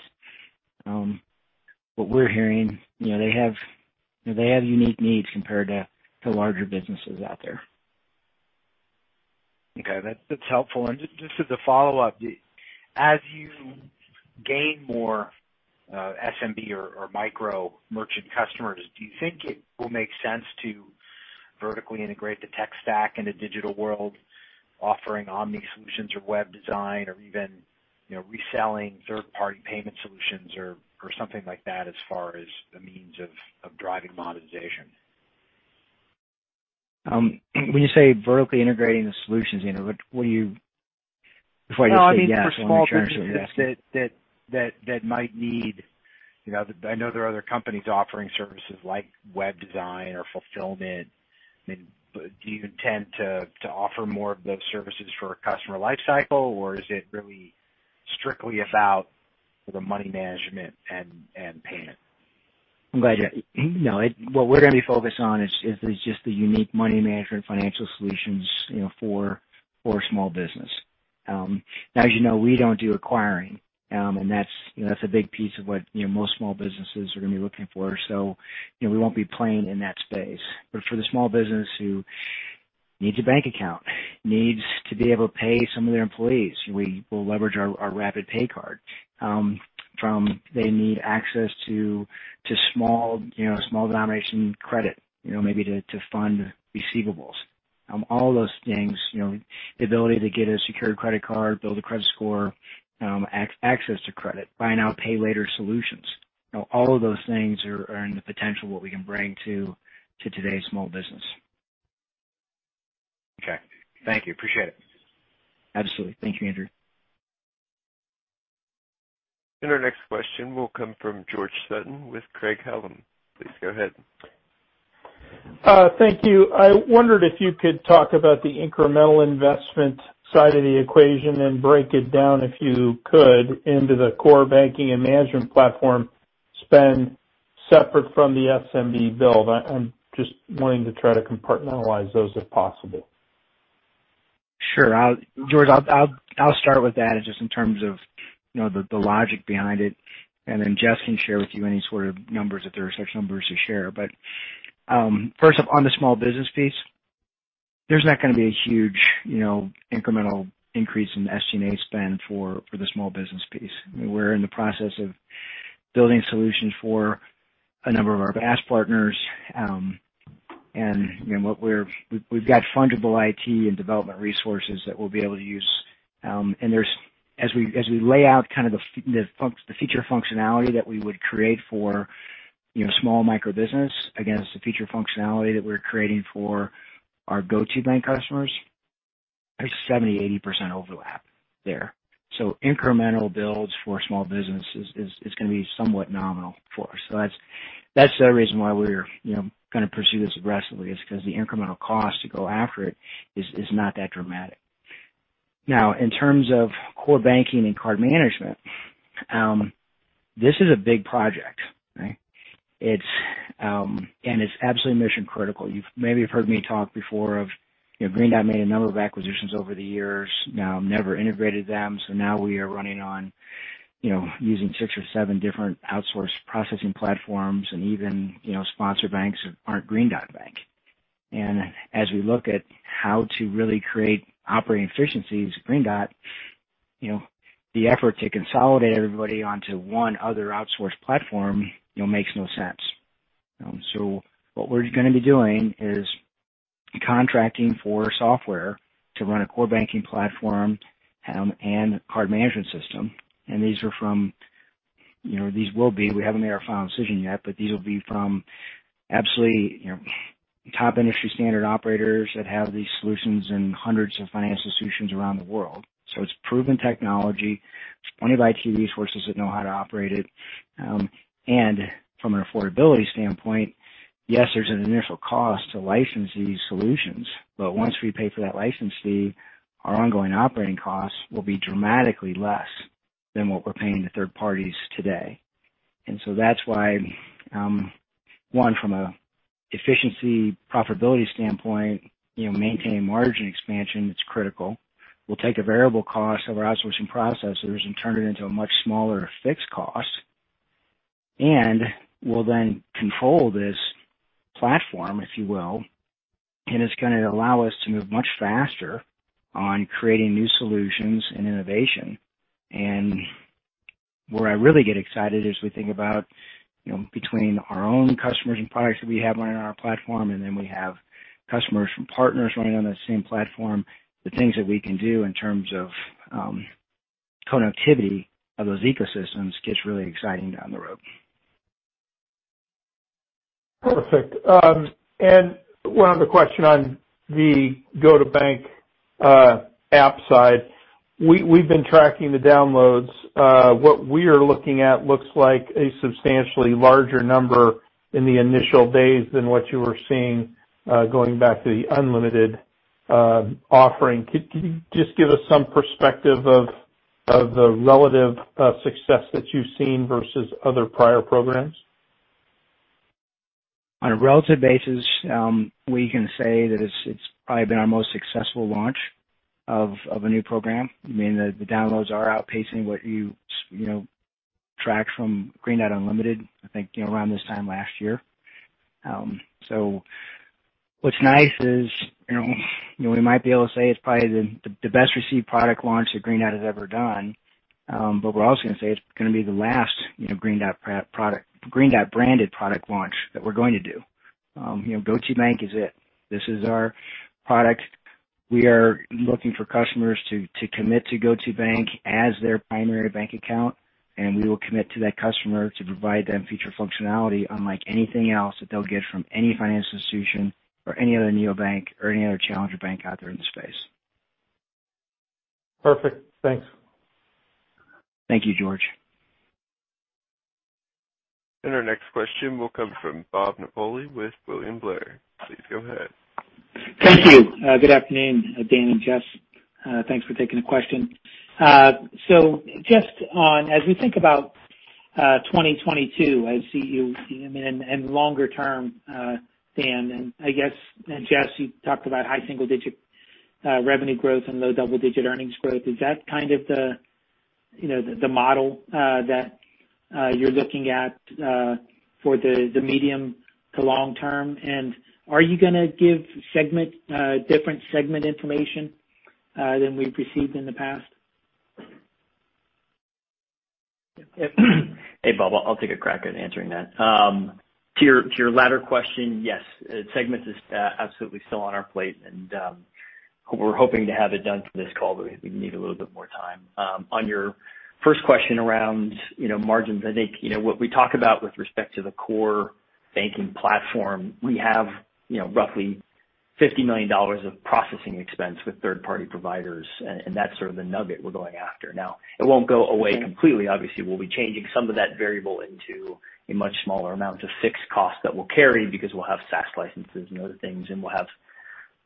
what we're hearing, they have unique needs compared to larger businesses out there. Okay. That's helpful. Just as a follow-up, as you gain more SMB or micro merchant customers, do you think it will make sense to vertically integrate the tech stack in a digital world, offering omni solutions or web design or even reselling third-party payment solutions or something like that as far as a means of driving monetization? When you say vertically integrating the solutions, what do you—before I get too technical, I mean, for small businesses that might need—I know there are other companies offering services like web design or fulfillment. I mean, do you intend to offer more of those services for a customer lifecycle, or is it really strictly about the money management and payment? I'm glad you asked. No. What we're going to be focused on is just the unique money management financial solutions for small business. Now, as you know, we do not do acquiring, and that is a big piece of what most small businesses are going to be looking for. We will not be playing in that space. For the small business who needs a bank account, needs to be able to pay some of their employees, we will leverage our Rapid! PayCard from—they need access to small denomination credit, maybe to fund receivables. All of those things, the ability to get a secured credit card, build a credit score, access to credit, buy now, pay later solutions. All of those things are in the potential of what we can bring to today's small business. Okay. Thank you. Appreciate it. Absolutely. Thank you, Andrew. Our next question will come from George Sutton with Craig-Hallum. Please go ahead. Thank you. I wondered if you could talk about the incremental investment side of the equation and break it down, if you could, into the core banking and management platform spend separate from the SMB build. I'm just wanting to try to compartmentalize those if possible. Sure. George, I'll start with that just in terms of the logic behind it. Then Jess can share with you any sort of numbers if there are such numbers to share. First, on the small business piece, there's not going to be a huge incremental increase in SG&A spend for the small business piece. We're in the process of building solutions for a number of our BaaS partners. We've got fungible IT and development resources that we'll be able to use. As we lay out kind of the feature functionality that we would create for small micro business against the feature functionality that we're creating for our GO2bank customers, there's 70-80% overlap there. Incremental builds for small businesses is going to be somewhat nominal for us. That's the reason why we're going to pursue this aggressively is because the incremental cost to go after it is not that dramatic. Now, in terms of core banking and card management, this is a big project, right? It's absolutely mission-critical. You've maybe heard me talk before of Green Dot made a number of acquisitions over the years. Never integrated them. Now we are running on using six or seven different outsourced processing platforms, and even sponsored banks aren't Green Dot Bank. As we look at how to really create operating efficiencies at Green Dot, the effort to consolidate everybody onto one other outsourced platform makes no sense. What we are going to be doing is contracting for software to run a core banking platform and card management system. These are from—we have not made our final decision yet, but these will be from absolutely top industry standard operators that have these solutions and hundreds of financial solutions around the world. It is proven technology. There are plenty of IT resources that know how to operate it. From an affordability standpoint, yes, there is an initial cost to license these solutions. Once we pay for that license fee, our ongoing operating costs will be dramatically less than what we are paying to third parties today. That is why, one, from an efficiency profitability standpoint, maintaining margin expansion, it is critical. We'll take a variable cost of our outsourcing processors and turn it into a much smaller fixed cost. We'll then control this platform, if you will. It's going to allow us to move much faster on creating new solutions and innovation. Where I really get excited is we think about between our own customers and products that we have running on our platform, and then we have customers from partners running on that same platform, the things that we can do in terms of connectivity of those ecosystems gets really exciting down the road. Perfect. One other question on the GO2bank app side. We've been tracking the downloads. What we are looking at looks like a substantially larger number in the initial days than what you were seeing going back to the unlimited offering. Can you just give us some perspective of the relative success that you've seen versus other prior programs? On a relative basis, we can say that it's probably been our most successful launch of a new program. I mean, the downloads are outpacing what you tracked from Green Dot Unlimited, I think, around this time last year. What's nice is we might be able to say it's probably the best-received product launch that Green Dot has ever done. We're also going to say it's going to be the last Green Dot branded product launch that we're going to do. GO2bank is it. This is our product. We are looking for customers to commit to GO2bank as their primary bank account. We will commit to that customer to provide them feature functionality unlike anything else that they'll get from any finance institution or any other neobank or any other challenger bank out there in the space. Perfect. Thanks. Thank you, George. Our next question will come from Bob Napoli with William Blair. Please go ahead. Thank you. Good afternoon, Dan and Jess. Thanks for taking the question. Just as we think about 2022, I see you in longer term, Dan. I guess, Jess, you talked about high single-digit revenue growth and low double-digit earnings growth. Is that kind of the model that you're looking at for the medium to long term? Are you going to give different segment information than we've received in the past? Hey, Bob. I'll take a crack at answering that. To your latter question, yes. Segment is absolutely still on our plate. We're hoping to have it done for this call, but we need a little bit more time. On your first question around margins, I think what we talk about with respect to the core banking platform, we have roughly $50 million of processing expense with third-party providers. That's sort of the nugget we're going after. It won't go away completely. Obviously, we'll be changing some of that variable into a much smaller amount of fixed cost that we'll carry because we'll have SaaS licenses and other things, and we'll have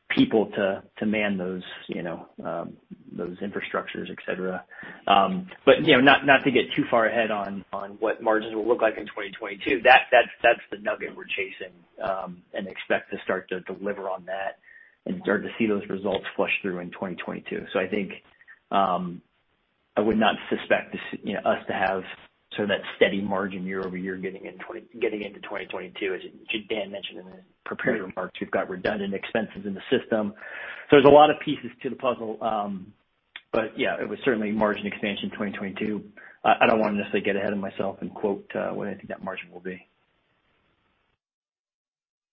people to man those infrastructures, etc. Not to get too far ahead on what margins will look like in 2022, that's the nugget we're chasing and expect to start to deliver on that and start to see those results flush through in 2022. I think I would not suspect us to have sort of that steady margin year over year getting into 2022. As Dan mentioned in his preparatory remarks, we've got redundant expenses in the system. There are a lot of pieces to the puzzle. Yeah, it was certainly margin expansion in 2022. I don't want to necessarily get ahead of myself and quote what I think that margin will be.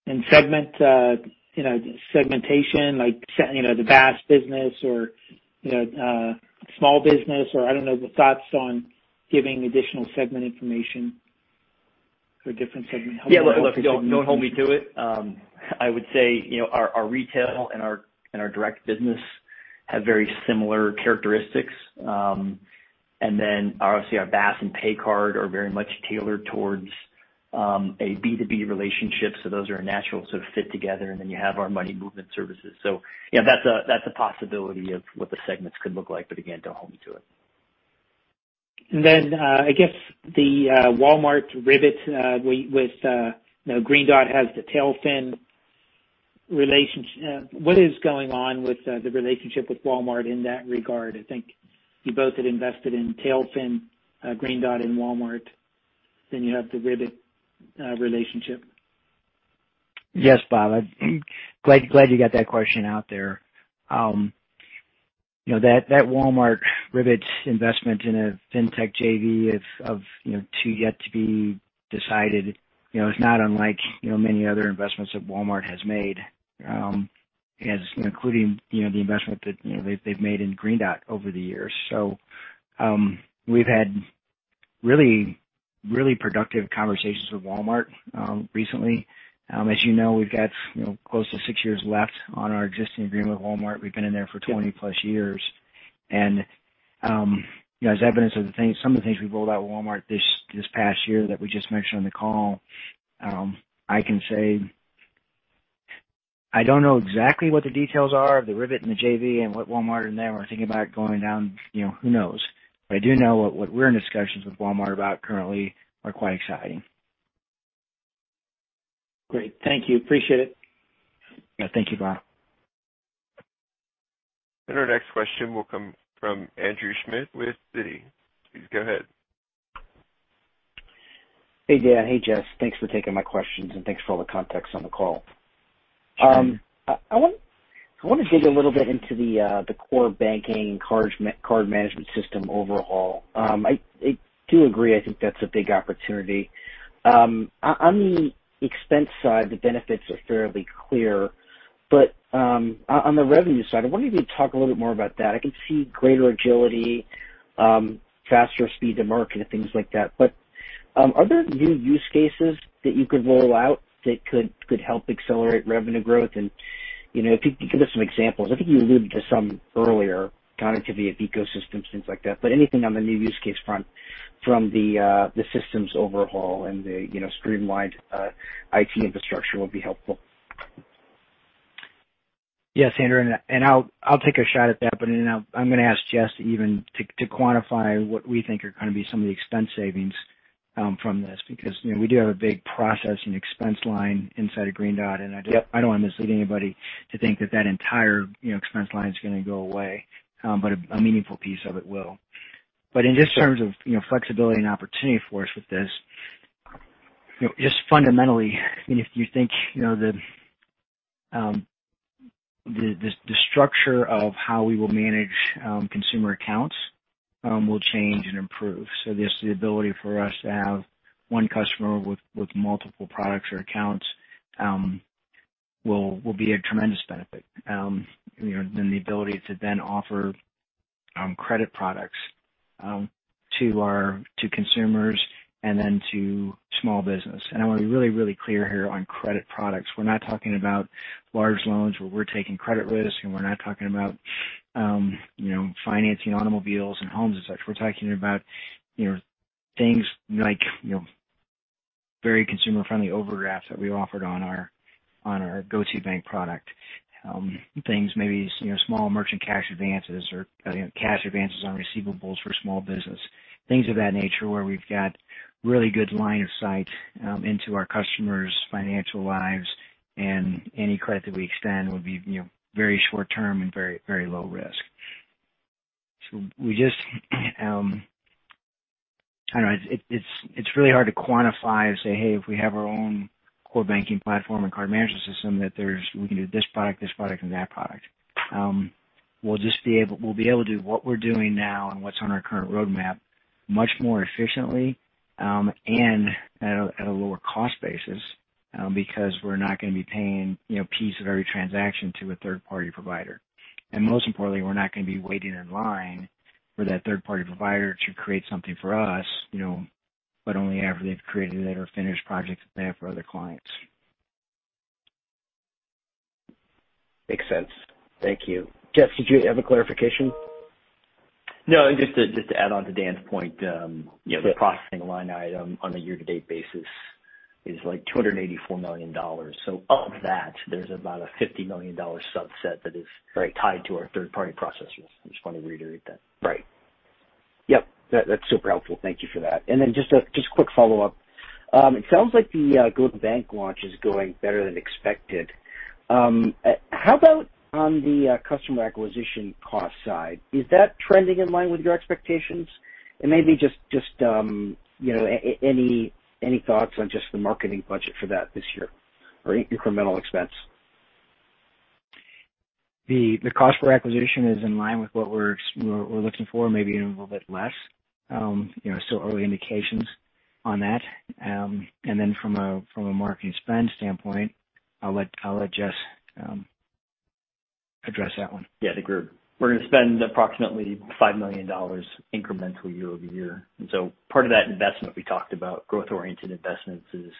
And segmentation, like the BaaS business or small business, or I don't know, thoughts on giving additional segment information or different segment? Yeah. Look, don't hold me to it. I would say our retail and our direct business have very similar characteristics. Obviously, our BaaS and PayCard are very much tailored towards a B2B relationship. Those are a natural sort of fit together. Then you have our money movement services. Yeah, that's a possibility of what the segments could look like. Again, don't hold me to it. I guess the Walmart Ribbit with Green Dot has the TailFin relationship. What is going on with the relationship with Walmart in that regard? I think you both had invested in TailFin, Green Dot, and Walmart. Then you have the Ribbit relationship. Yes, Bob. Glad you got that question out there. That Walmart Ribbit investment in a FinTech JV of to yet to be decided is not unlike many other investments that Walmart has made, including the investment that they've made in Green Dot over the years. We've had really, really productive conversations with Walmart recently. As you know, we've got close to six years left on our existing agreement with Walmart. We've been in there for 20-plus years. As evidence of some of the things we have rolled out with Walmart this past year that we just mentioned on the call, I can say I do not know exactly what the details are of the Ribbit and the JV and what Walmart and them are thinking about going down. Who knows? I do know what we are in discussions with Walmart about currently are quite exciting. Great. Thank you. Appreciate it. Thank you, Bob. Our next question will come from Andrew Schmidt with Citi. Please go ahead. Hey, Dan. Hey, Jess. Thanks for taking my questions, and thanks for all the context on the call. I want to dig a little bit into the core banking and card management system overall. I do agree. I think that is a big opportunity. On the expense side, the benefits are fairly clear. On the revenue side, I wanted you to talk a little bit more about that. I can see greater agility, faster speed to market, and things like that. Are there new use cases that you could roll out that could help accelerate revenue growth? If you could give us some examples. I think you alluded to some earlier, connectivity of ecosystems, things like that. Anything on the new use case front from the systems overhaul and the streamlined IT infrastructure would be helpful. Yes, Andrew. I'll take a shot at that. I'm going to ask Jess to even quantify what we think are going to be some of the expense savings from this because we do have a big processing expense line inside of Green Dot. I do not want to mislead anybody to think that that entire expense line is going to go away. A meaningful piece of it will. In just terms of flexibility and opportunity for us with this, just fundamentally, I mean, if you think the structure of how we will manage consumer accounts will change and improve. Just the ability for us to have one customer with multiple products or accounts will be a tremendous benefit. The ability to then offer credit products to consumers and then to small business. I want to be really, really clear here on credit products. We are not talking about large loans where we are taking credit risk, and we are not talking about financing automobiles and homes and such. We are talking about things like very consumer-friendly overdrafts that we offered on our GO2bank product. Things maybe small merchant cash advances or cash advances on receivables for small business. Things of that nature where we've got really good line of sight into our customers' financial lives. Any credit that we extend would be very short-term and very low risk. I don't know, it's really hard to quantify and say, "Hey, if we have our own core banking platform and card management system, that we can do this product, this product, and that product." We'll just be able to do what we're doing now and what's on our current roadmap much more efficiently and at a lower cost basis because we're not going to be paying a piece of every transaction to a third-party provider. And most importantly, we're not going to be waiting in line for that third-party provider to create something for us, but only after they've created it or finished projects that they have for other clients. Makes sense. Thank you. Jess, did you have a clarification? No, just to add on to Dan's point, the processing line item on a year-to-date basis is like $284 million. So of that, there's about a $50 million subset that is tied to our third-party processors. I just want to reiterate that. Right. Yep. That's super helpful. Thank you for that. Just a quick follow-up. It sounds like the GO2bank launch is going better than expected. How about on the customer acquisition cost side? Is that trending in line with your expectations? Maybe just any thoughts on just the marketing budget for that this year or incremental expense? The cost for acquisition is in line with what we're looking for, maybe even a little bit less. Still early indications on that. From a marketing spend standpoint, I'll let Jess address that one. Yeah. I think we're going to spend approximately $5 million incrementally year over year. Part of that investment we talked about, growth-oriented investments, is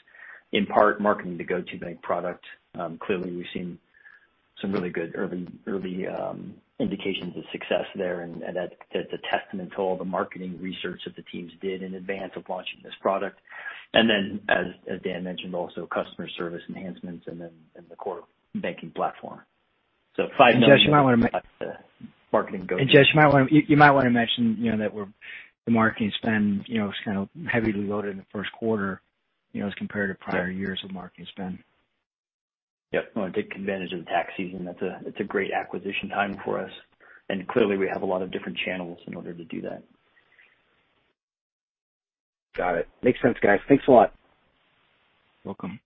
in part marketing the GO2bank product. Clearly, we've seen some really good early indications of success there. That's a testament to all the marketing research that the teams did in advance of launching this product. As Dan mentioned, also customer service enhancements and the core banking platform. $5 million. Jess, you might want to marketing go to. Jess, you might want to mention that the marketing spend was kind of heavily loaded in the first quarter as compared to prior years of marketing spend. Yep. Want to take advantage of the tax season. It's a great acquisition time for us. Clearly, we have a lot of different channels in order to do that. Got it. Makes sense, guys. Thanks a lot. Welcome.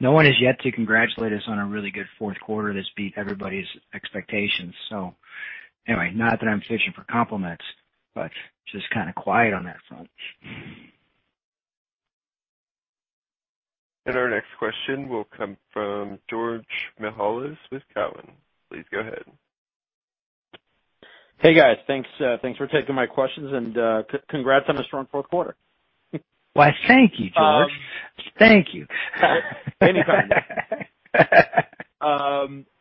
No one has yet to congratulate us on a really good fourth quarter that's beat everybody's expectations. Not that I'm fishing for compliments, but just kind of quiet on that front. Our next question will come from George Mihalis with Cowen. Please go ahead. Hey, guys. Thanks for taking my questions. Congrats on a strong fourth quarter. thank you, George. Thank you. Anytime.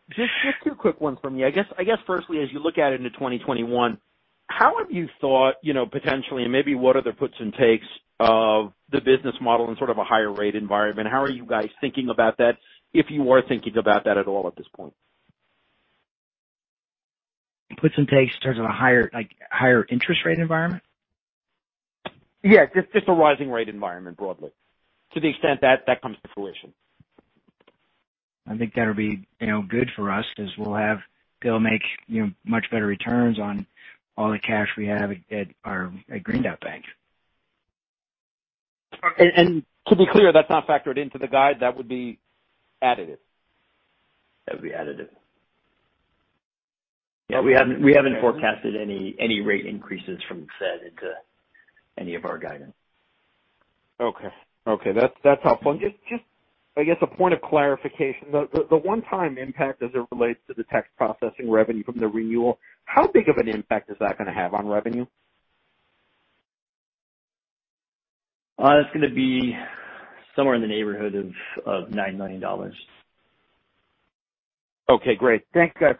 Just two quick ones from me. I guess, firstly, as you look at it into 2021, how have you thought potentially, and maybe what are the puts and takes of the business model in sort of a higher rate environment? How are you guys thinking about that if you are thinking about that at all at this point? Puts and takes in terms of a higher interest rate environment? Yeah. Just a rising rate environment broadly to the extent that that comes to fruition. I think that'll be good for us because we'll make much better returns on all the cash we have at Green Dot Bank. And to be clear, that's not factored into the guide. That would be additive. That would be additive. Yeah. We haven't forecasted any rate increases from the Fed into any of our guidance. Okay. Okay. That's helpful. Just, I guess, a point of clarification. The one-time impact as it relates to the tax processing revenue from the renewal, how big of an impact is that going to have on revenue? It's going to be somewhere in the neighborhood of $9 million. Okay. Great. Thanks, guys.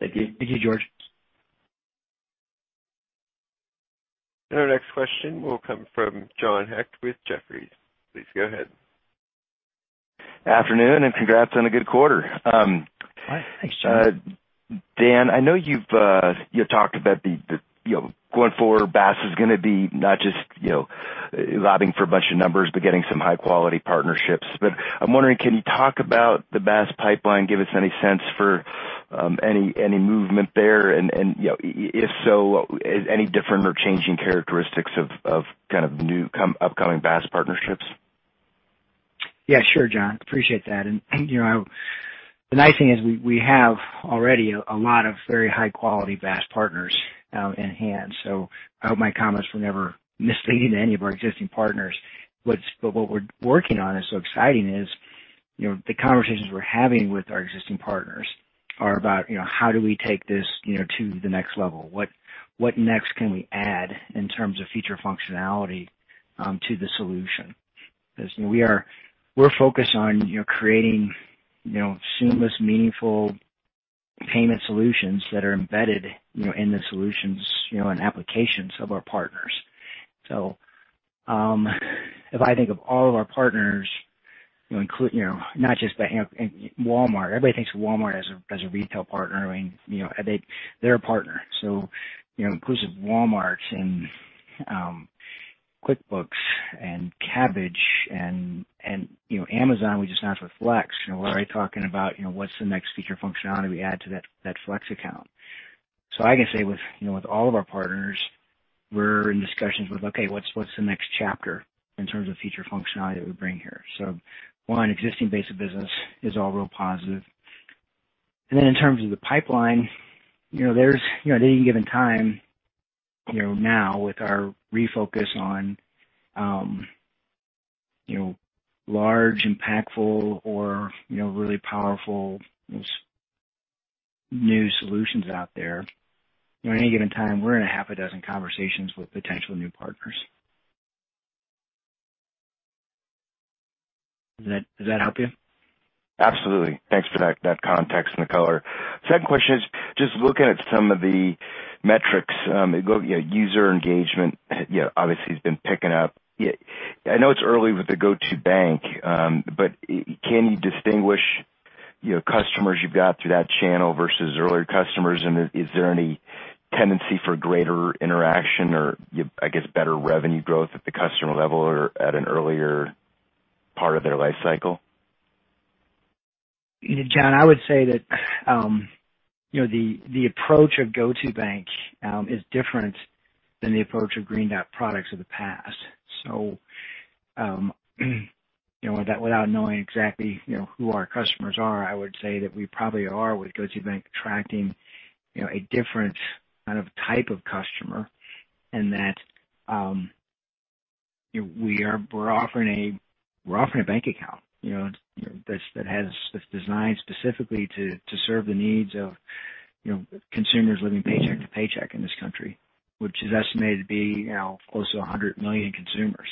Thank you. Thank you, George. Our next question will come from John Heck with Jefferies. Please go ahead. Afternoon, and congrats on a good quarter. Thanks, John. Dan, I know you've talked about the going forward, BaaS is going to be not just lobbing for a bunch of numbers, but getting some high-quality partnerships. I am wondering, can you talk about the BaaS pipeline? Give us any sense for any movement there. If so, any different or changing characteristics of kind of new upcoming BaaS partnerships? Yeah. Sure, John. Appreciate that. The nice thing is we have already a lot of very high-quality BaaS partners in hand. I hope my comments were never misleading to any of our existing partners. What we're working on is so exciting is the conversations we're having with our existing partners are about how do we take this to the next level? What next can we add in terms of feature functionality to the solution? We're focused on creating seamless, meaningful payment solutions that are embedded in the solutions and applications of our partners. If I think of all of our partners, not just Walmart, everybody thinks of Walmart as a retail partner. I mean, they're a partner. Inclusive Walmart and QuickBooks and Kabbage and Amazon, we just now have Flex. We're already talking about what's the next feature functionality we add to that Flex account. I can say with all of our partners, we're in discussions with, "Okay, what's the next chapter in terms of feature functionality that we bring here?" One, existing base of business is all real positive. In terms of the pipeline, at any given time now with our refocus on large, impactful, or really powerful new solutions out there, at any given time, we're in a half a dozen conversations with potential new partners. Does that help you? Absolutely. Thanks for that context and the color. Second question is just looking at some of the metrics. User engagement, obviously, has been picking up. I know it's early with the GO2bank, but can you distinguish customers you've got through that channel versus earlier customers? Is there any tendency for greater interaction or, I guess, better revenue growth at the customer level or at an earlier part of their life cycle? John, I would say that the approach of GO2bank is different than the approach of Green Dot products of the past. Without knowing exactly who our customers are, I would say that we probably are with GO2bank attracting a different kind of type of customer in that we're offering a bank account that has been designed specifically to serve the needs of consumers living paycheck to paycheck in this country, which is estimated to be close to 100 million consumers.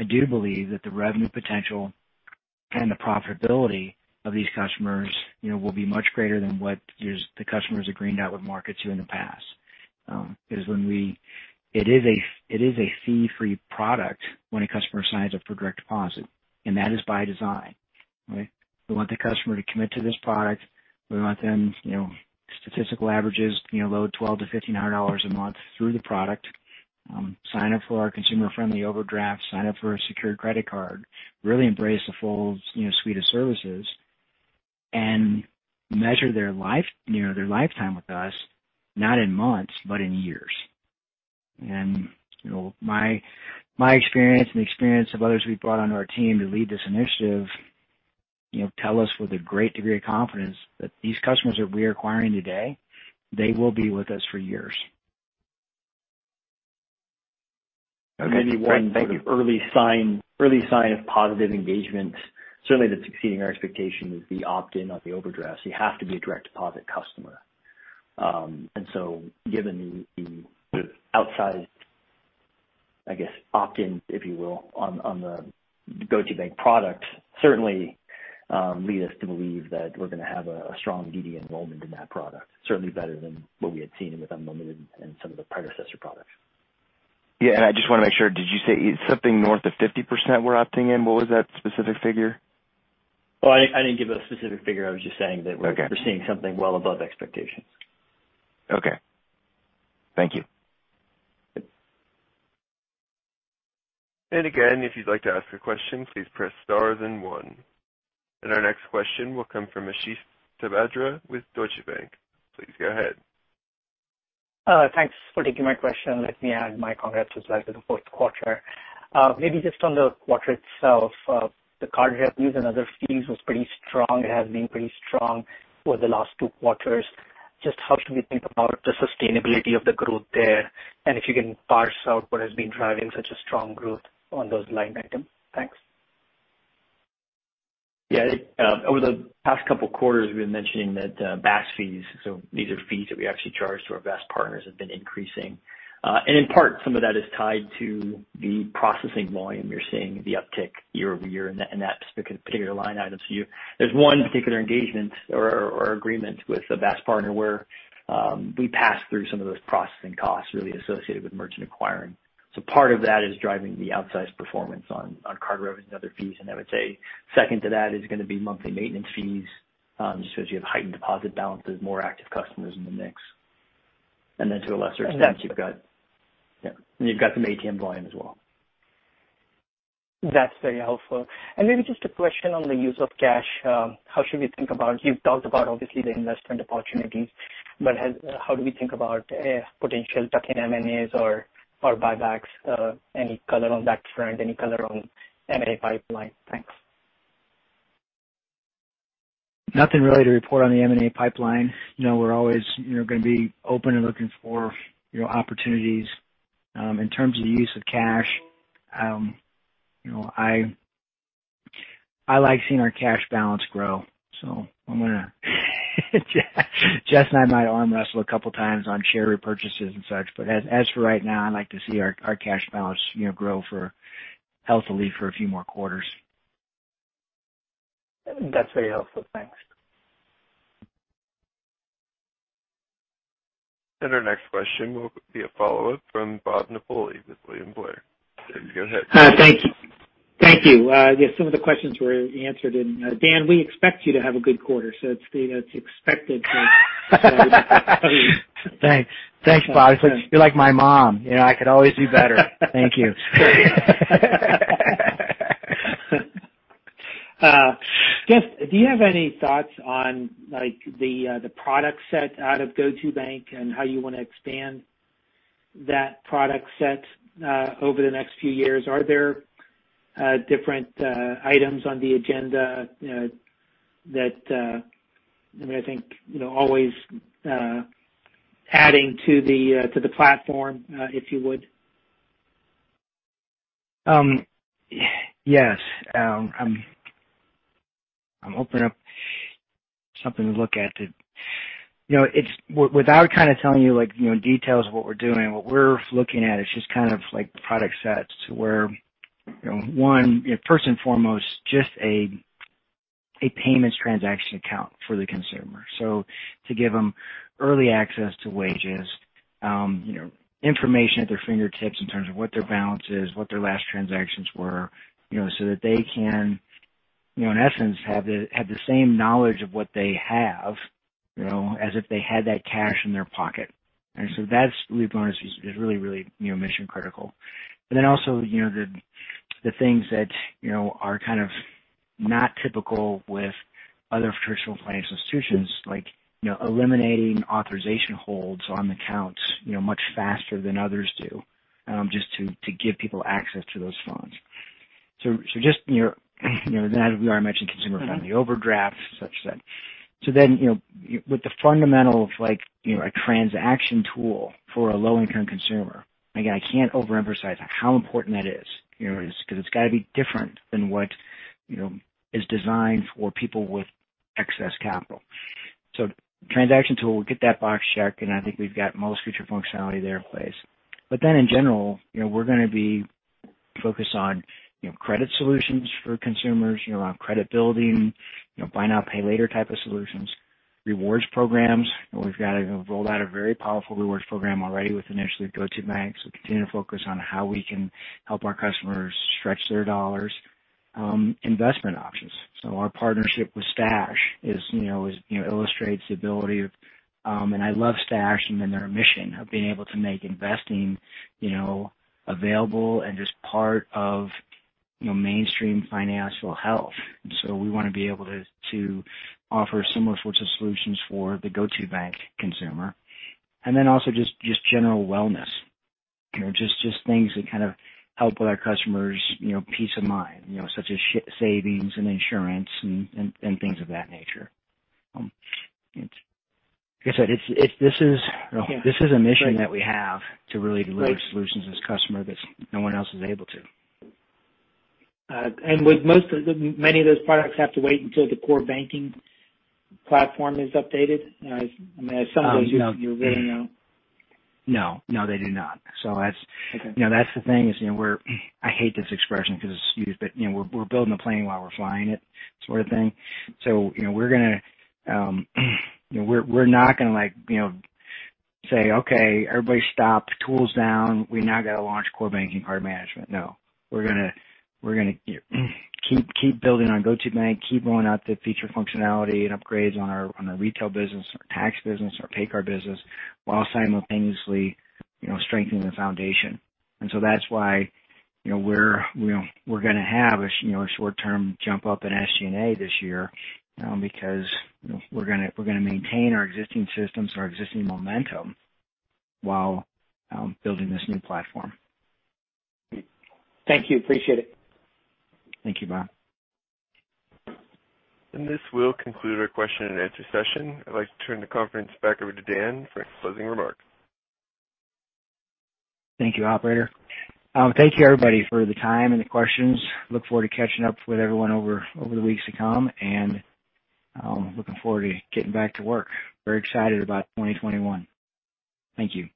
I do believe that the revenue potential and the profitability of these customers will be much greater than what the customers at Green Dot would market to in the past. Because it is a fee-free product when a customer signs up for direct deposit. That is by design. We want the customer to commit to this product. We want them statistical averages below $1,200-$1,500 a month through the product. Sign up for our consumer-friendly overdraft. Sign up for a secured credit card. Really embrace the full suite of services and measure their lifetime with us, not in months, but in years. My experience and the experience of others we've brought onto our team to lead this initiative tell us with a great degree of confidence that these customers that we are acquiring today, they will be with us for years. Maybe one early sign of positive engagement, certainly that's exceeding our expectation, is the opt-in on the overdraft. You have to be a direct deposit customer. Given the outsized, I guess, opt-in, if you will, on the GO2bank product, certainly lead us to believe that we're going to have a strong DD enrollment in that product. Certainly better than what we had seen with Unlimited and some of the predecessor products. Yeah. I just want to make sure. Did you say something north of 50% were opting in? What was that specific figure? I didn't give a specific figure. I was just saying that we're seeing something well above expectations. Okay. Thank you. Again, if you'd like to ask a question, please press stars and one. Our next question will come from Ashish Saldanha with Deutsche Bank. Please go ahead. Thanks for taking my question. Let me add my congrats as well to the fourth quarter. Maybe just on the quarter itself, the card revenues and other fees was pretty strong. It has been pretty strong for the last two quarters. Just how should we think about the sustainability of the growth there? If you can parse out what has been driving such a strong growth on those line items. Thanks. Yeah. Over the past couple of quarters, we've been mentioning that BaaS fees, so these are fees that we actually charge to our BaaS partners, have been increasing. In part, some of that is tied to the processing volume you're seeing, the uptick year over year in that particular line item. There is one particular engagement or agreement with a BaaS partner where we pass through some of those processing costs really associated with merchant acquiring. Part of that is driving the outsized performance on card revenues and other fees. I would say second to that is going to be monthly maintenance fees just because you have heightened deposit balances, more active customers in the mix. To a lesser extent, you have some ATM volume as well. That is very helpful. Maybe just a question on the use of cash. How should we think about it? You have talked about, obviously, the investment opportunities, but how do we think about potential tuck-in M&As or buybacks? Any color on that front? Any color on M&A pipeline? Thanks. Nothing really to report on the M&A pipeline. We are always going to be open and looking for opportunities. In terms of the use of cash, I like seeing our cash balance grow. Jess and I might arm wrestle a couple of times on share repurchases and such. As for right now, I'd like to see our cash balance grow healthily for a few more quarters. That's very helpful. Thanks. Our next question will be a follow-up from Bob Napoli with William Blair. You go ahead. Thank you. Thank you. Some of the questions were answered. Dan, we expect you to have a good quarter. It's expected to. Thanks. Thanks, Bob. You're like my mom. I could always do better. Thank you. Jess, do you have any thoughts on the product set out of GO2bank and how you want to expand that product set over the next few years? Are there different items on the agenda that, I mean, I think always adding to the platform, if you would? Yes. I'm opening up something to look at. Without kind of telling you details of what we're doing, what we're looking at is just kind of product sets to where, one, first and foremost, just a payments transaction account for the consumer. To give them early access to wages, information at their fingertips in terms of what their balance is, what their last transactions were, so that they can, in essence, have the same knowledge of what they have as if they had that cash in their pocket. That, to be honest, is really, really mission-critical. Also the things that are kind of not typical with other traditional financial institutions, like eliminating authorization holds on accounts much faster than others do just to give people access to those funds. Just that, we already mentioned consumer-friendly overdrafts, such that. With the fundamental of a transaction tool for a low-income consumer, again, I can't overemphasize how important that is because it's got to be different than what is designed for people with excess capital. Transaction tool, we'll get that box checked. I think we've got most feature functionality there in place. In general, we're going to be focused on credit solutions for consumers, around credit building, buy now, pay later type of solutions, rewards programs. We've got to roll out a very powerful rewards program already with initially GO2bank. Continue to focus on how we can help our customers stretch their dollars. Investment options. Our partnership with Stash illustrates the ability of, and I love Stash and their mission of being able to make investing available and just part of mainstream financial health. We want to be able to offer similar sorts of solutions for the GO2bank consumer. Also, just general wellness, just things that kind of help with our customers' peace of mind, such as savings and insurance and things of that nature. Like I said, this is a mission that we have to really deliver solutions as a customer that no one else is able to. Would many of those products have to wait until the core banking platform is updated? I mean, some of those you really know. No. No, they do not. The thing is I hate this expression because it's used, but we're building the plane while we're flying it sort of thing. We're not going to say, "Okay, everybody stop, tools down. We now got to launch core banking card management." No. We're going to keep building on GO2bank, keep rolling out the feature functionality and upgrades on our retail business, our tax business, our pay card business, while simultaneously strengthening the foundation. That is why we're going to have a short-term jump up in SG&A this year because we're going to maintain our existing systems, our existing momentum while building this new platform. Thank you. Appreciate it. Thank you. Bye. This will conclude our question and answer session. I'd like to turn the conference back over to Dan for a closing remark. Thank you, operator. Thank you, everybody, for the time and the questions. Look forward to catching up with everyone over the weeks to come. Looking forward to getting back to work. Very excited about 2021. Thank you.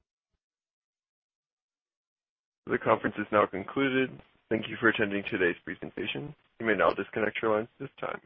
The conference is now concluded. Thank you for attending today's presentation. You may now disconnect your lines at this time.